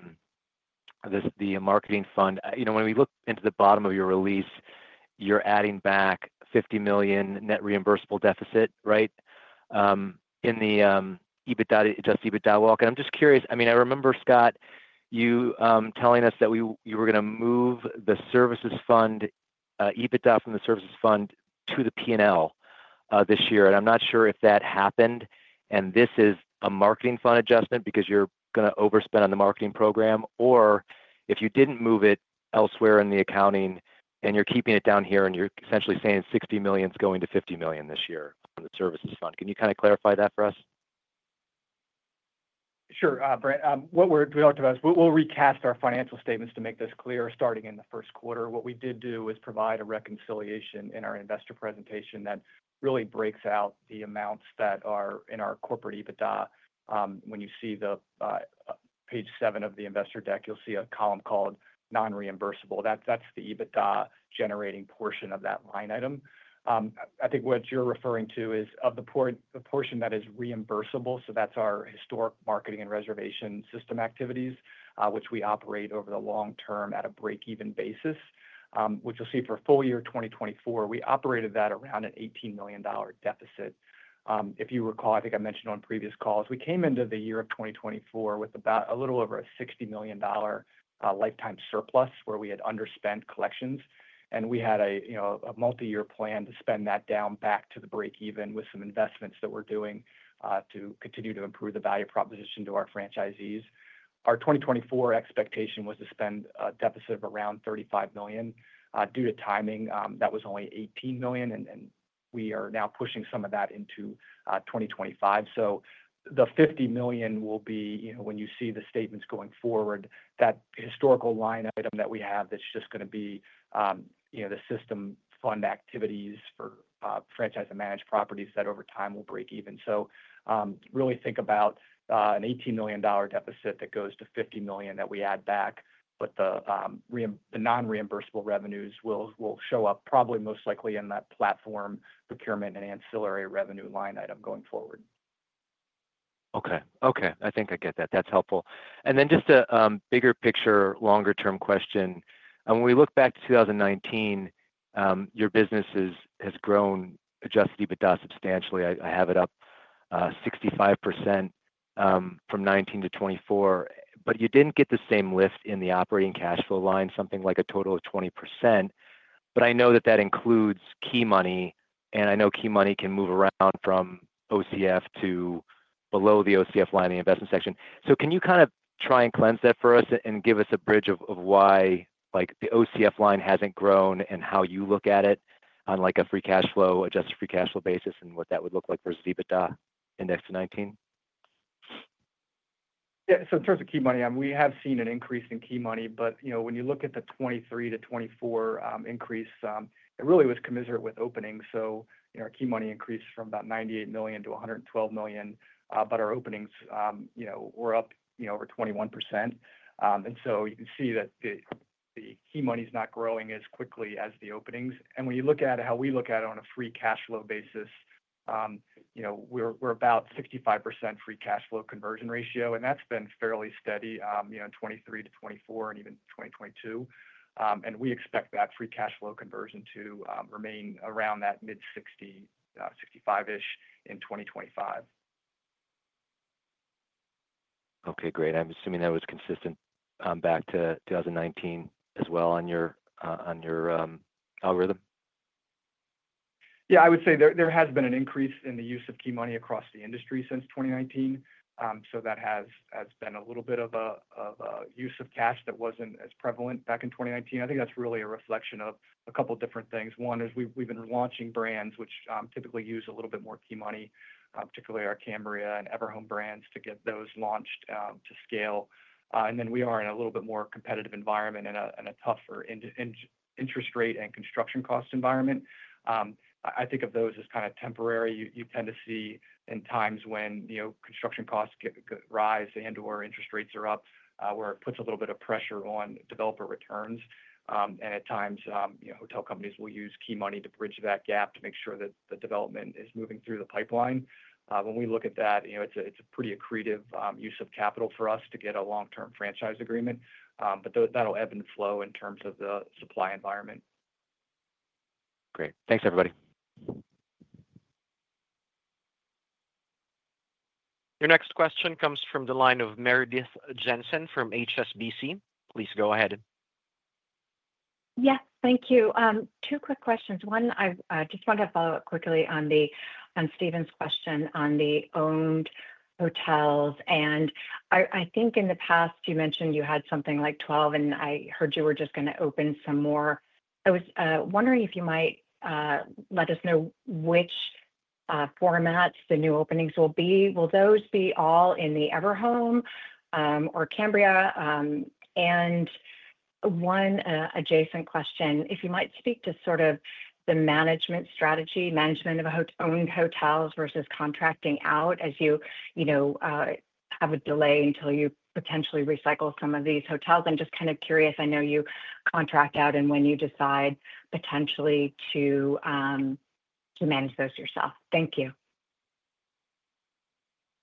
marketing fund. You know, when we looked into the bottom of your release, you're adding back $50 million net reimbursable deficit, right, in the EBITDA, just EBITDA all. And I'm just curious, I mean, I remember Scott, you telling us that you were going to move the services fund EBITDA from the services fund to the P&L this year. And I'm not sure if that happened. This is a marketing fund adjustment because you're going to overspend on the marketing program. Or if you didn't move it elsewhere in the accounting and you're keeping it down here and you're essentially saying $60 million is going to $50 million this year on the services fund. Can you kind of clarify that for us? Sure, Brent. What we talked about is we'll recast our financial statements to make this clear starting in the first quarter. What we did do is provide a reconciliation in our investor presentation that really breaks out the amounts that are in our corporate EBITDA. When you see the page seven of the investor deck, you'll see a column called non-reimbursable. That's the EBITDA generating portion of that line item. I think what you're referring to is of the portion that is reimbursable. So that's our historic marketing and reservation system activities, which we operate over the long term at a break-even basis, which you'll see for full year 2024. We operated that around an $18 million deficit. If you recall, I think I mentioned on previous calls, we came into the year of 2024 with about a little over a $60 million lifetime surplus where we had underspent collections. And we had, you know, a multi-year plan to spend that down back to the break-even with some investments that we're doing to continue to improve the value proposition to our franchisees. Our 2024 expectation was to spend a deficit of around $35 million. Due to timing, that was only $18 million. And we are now pushing some of that into 2025. So the $50 million will be, you know, when you see the statements going forward, that historical line item that we have that's just going to be, you know, the system fund activities for franchise and managed properties that over time will break even. So really think about an $18 million deficit that goes to $50 million that we add back. But the non-reimbursable revenues will show up probably most likely in that platform procurement and ancillary revenue line item going forward. Okay. Okay. I think I get that. That's helpful. And then just a bigger picture, longer-term question. When we look back to 2019, your business has grown Adjusted EBITDA substantially. I have it up 65% from 2019 to 2024. But you didn't get the same lift in the operating cash flow line, something like a total of 20%. But I know that that includes key money. And I know key money can move around from OCF to below the OCF line in the investment section. So can you kind of try and cleanse that for us and give us a bridge of why, like, the OCF line hasn't grown and how you look at it on, like, a free cash flow, adjusted free cash flow basis and what that would look like versus EBITDA indexed to 2019? Yeah. So in terms of key money, we have seen an increase in key money. But, you know, when you look at the 2023 to 2024 increase, it really was commensurate with openings. So, you know, our key money increased from about $98 million to $112 million. But our openings, you know, were up, you know, over 21%. And so you can see that the key money is not growing as quickly as the openings. When you look at how we look at it on a free cash flow basis, you know, we're about 65% free cash flow conversion ratio. That's been fairly steady, you know, in 2023 to 2024 and even 2022. We expect that free cash flow conversion to remain around that mid-60, 65-ish in 2025. Okay. Great. I'm assuming that was consistent back to 2019 as well on your algorithm. Yeah. I would say there has been an increase in the use of key money across the industry since 2019. So that has been a little bit of a use of cash that wasn't as prevalent back in 2019. I think that's really a reflection of a couple of different things. One is we've been launching brands which typically use a little bit more key money, particularly our Cambria and Everhome brands to get those launched to scale. And then we are in a little bit more competitive environment and a tougher interest rate and construction cost environment. I think of those as kind of temporary. You tend to see in times when, you know, construction costs rise and/or interest rates are up where it puts a little bit of pressure on developer returns. And at times, you know, hotel companies will use key money to bridge that gap to make sure that the development is moving through the pipeline. When we look at that, you know, it's a pretty accretive use of capital for us to get a long-term franchise agreement. But that'll ebb and flow in terms of the supply environment. Great. Thanks, everybody. Your next question comes from the line of Meredith Jensen from HSBC. Please go ahead. Yes. Thank you. Two quick questions. One, I just want to follow up quickly on Stephen's question on the owned hotels. And I think in the past you mentioned you had something like 12, and I heard you were just going to open some more. I was wondering if you might let us know which formats the new openings will be. Will those be all in the Everhome or Cambria? And one adjacent question, if you might speak to sort of the management strategy, management of owned hotels versus contracting out as you, you know, have a delay until you potentially recycle some of these hotels. I'm just kind of curious. I know you contract out and when you decide potentially to manage those yourself. Thank you.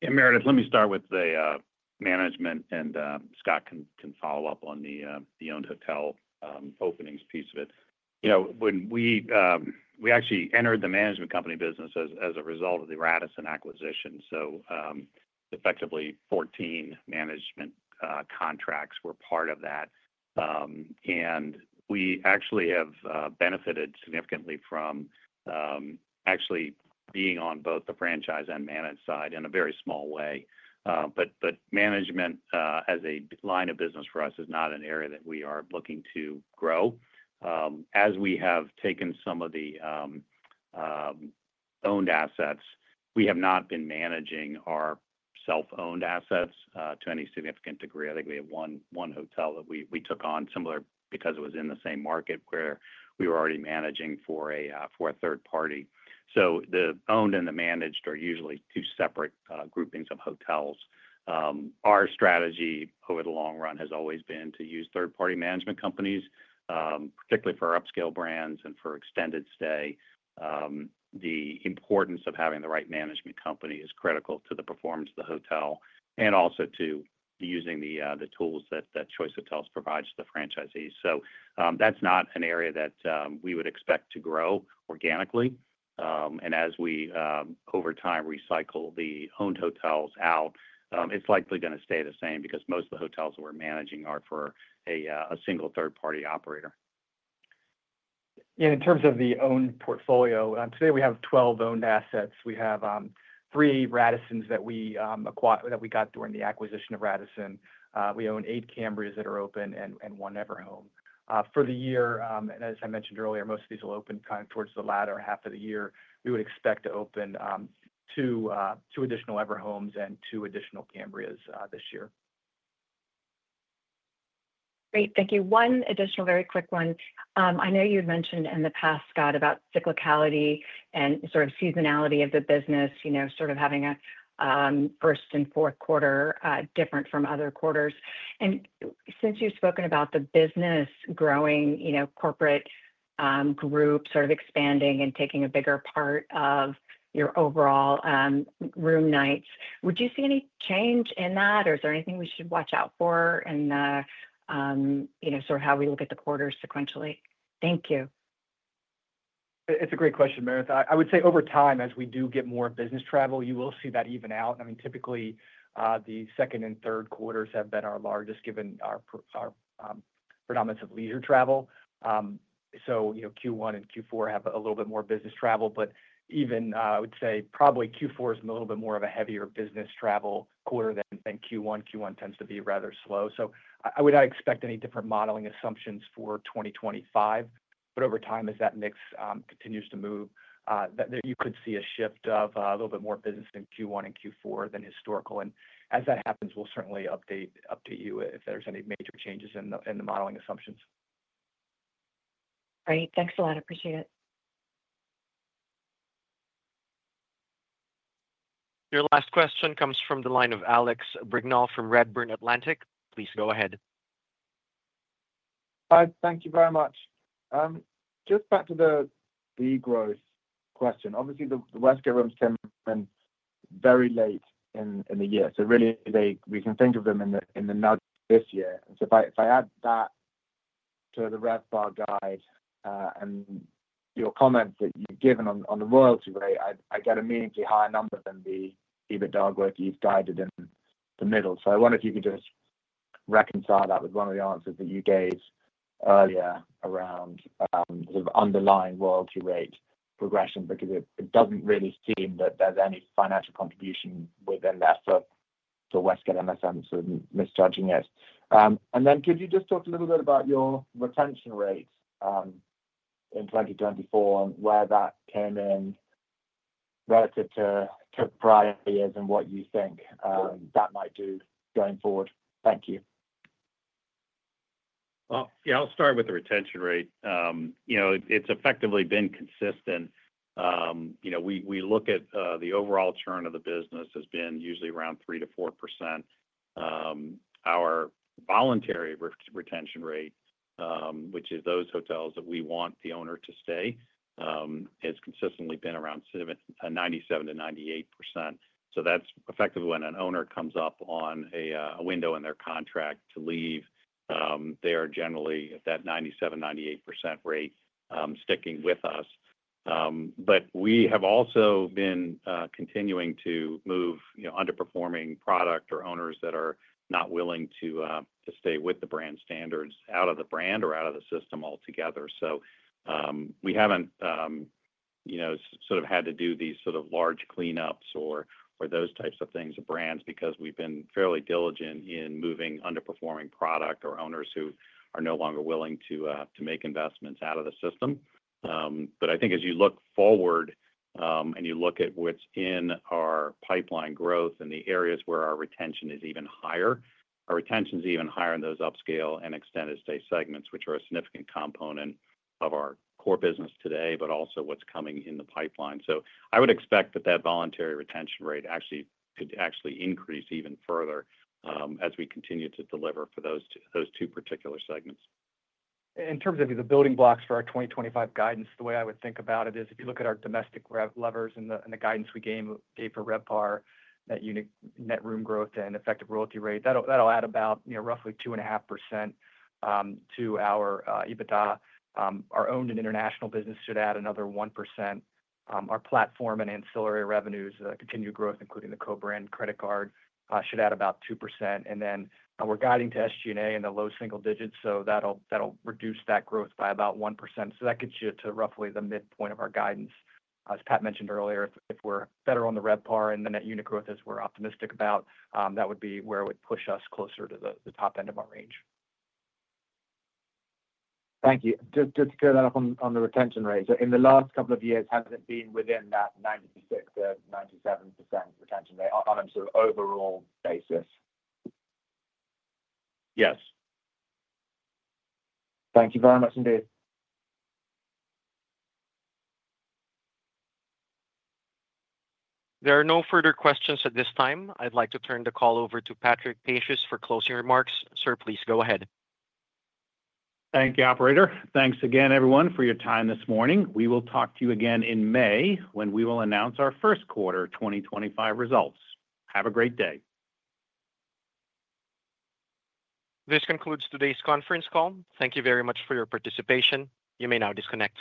Yeah. Meredith, let me start with the management, and Scott can follow up on the owned hotel openings piece of it. You know, when we actually entered the management company business as a result of the Radisson acquisition, so effectively 14 management contracts were part of that. And we actually have benefited significantly from actually being on both the franchise and managed side in a very small way, but management as a line of business for us is not an area that we are looking to grow. As we have taken some of the owned assets, we have not been managing our self-owned assets to any significant degree. I think we have one hotel that we took on similarly because it was in the same market where we were already managing for a third party. So the owned and the managed are usually two separate groupings of hotels. Our strategy over the long run has always been to use third-party management companies, particularly for upscale brands and for extended stay. The importance of having the right management company is critical to the performance of the hotel and also to using the tools that Choice Hotels provides to the franchisees, so that's not an area that we would expect to grow organically, and as we, over time, recycle the owned hotels out, it's likely going to stay the same because most of the hotels that we're managing are for a single third-party operator, and in terms of the owned portfolio, today we have 12 owned assets. We have three Radissons that we got during the acquisition of Radisson. We own eight Cambrias that are open and one Everhome. For the year, and as I mentioned earlier, most of these will open kind of towards the latter half of the year. We would expect to open two additional Everhomes and two additional Cambrias this year. Great. Thank you. One additional very quick one. I know you had mentioned in the past, Scott, about cyclicality and sort of seasonality of the business, you know, sort of having a first and fourth quarter different from other quarters. And since you've spoken about the business growing, you know, corporate group sort of expanding and taking a bigger part of your overall room nights, would you see any change in that? Or is there anything we should watch out for in, you know, sort of how we look at the quarters sequentially? Thank you. It's a great question, Meredith. I would say over time, as we do get more business travel, you will see that even out. I mean, typically, the second and third quarters have been our largest given our predominance of leisure travel. So, you know, Q1 and Q4 have a little bit more business travel. But even, I would say probably Q4 is a little bit more of a heavier business travel quarter than Q1. Q1 tends to be rather slow. So I would not expect any different modeling assumptions for 2025. But over time, as that mix continues to move, you could see a shift of a little bit more business in Q1 and Q4 than historical. And as that happens, we'll certainly update you if there's any major changes in the modeling assumptions. Great. Thanks a lot. Appreciate it. Your last question comes from the line of Alex Brignall from Redburn Atlantic. Please go ahead. Thank you very much. Just back to the growth question. Obviously, the Westgate Resorts came in very late in the year. So really, we can think of them in the new this year. And so if I add that to the Redburn and your comments that you've given on the royalty rate, I get a meaningfully higher number than the EBITDA growth you've guided in the middle. So I wonder if you could just reconcile that with one of the answers that you gave earlier around sort of underlying royalty rate progression because it doesn't really seem that there's any financial contribution within that for Westgate Resorts, sort of misjudging it. And then could you just talk a little bit about your retention rate in 2024 and where that came in relative to prior years and what you think that might do going forward? Thank you. Well, yeah, I'll start with the retention rate. You know, it's effectively been consistent. You know, we look at the overall churn of the business has been usually around 3%-4%. Our voluntary retention rate, which is those hotels that we want the owner to stay, has consistently been around 97%-98%. So that's effectively when an owner comes up on a window in their contract to leave, they are generally at that 97%-98% rate sticking with us. But we have also been continuing to move underperforming product or owners that are not willing to stay with the brand standards out of the brand or out of the system altogether. So we haven't, you know, sort of had to do these sort of large cleanups or those types of things of brands because we've been fairly diligent in moving underperforming product or owners who are no longer willing to make investments out of the system. But I think as you look forward and you look at what's in our pipeline growth and the areas where our retention is even higher, our retention is even higher in those upscale and extended stay segments, which are a significant component of our core business today, but also what's coming in the pipeline. So I would expect that voluntary retention rate actually could increase even further as we continue to deliver for those two particular segments. In terms of the building blocks for our 2025 guidance, the way I would think about it is if you look at our domestic levers and the guidance we gave for RevPAR, that unit net room growth and effective royalty rate, that'll add about, you know, roughly 2.5% to our EBITDA. Our owned and international business should add another 1%. Our platform and ancillary revenues, continued growth, including the co-brand credit card, should add about 2%. And then we're guiding to SG&A in the low single digits. So that'll reduce that growth by about 1%. So that gets you to roughly the midpoint of our guidance. As Pat mentioned earlier, if we're better on the RevPAR and the net unit growth, as we're optimistic about, that would be where it would push us closer to the top end of our range. Thank you. Just to clear that up on the retention rate. So in the last couple of years, has it been within that 96%-97% retention rate on a sort of overall basis? Yes. Thank you very much indeed. There are no further questions at this time. I'd like to turn the call over to Patrick Pacious for closing remarks. Sir, please go ahead. Thank you, Operator. Thanks again, everyone, for your time this morning. We will talk to you again in May when we will announce our first quarter 2025 results. Have a great day. This concludes today's conference call. Thank you very much for your participation. You may now disconnect.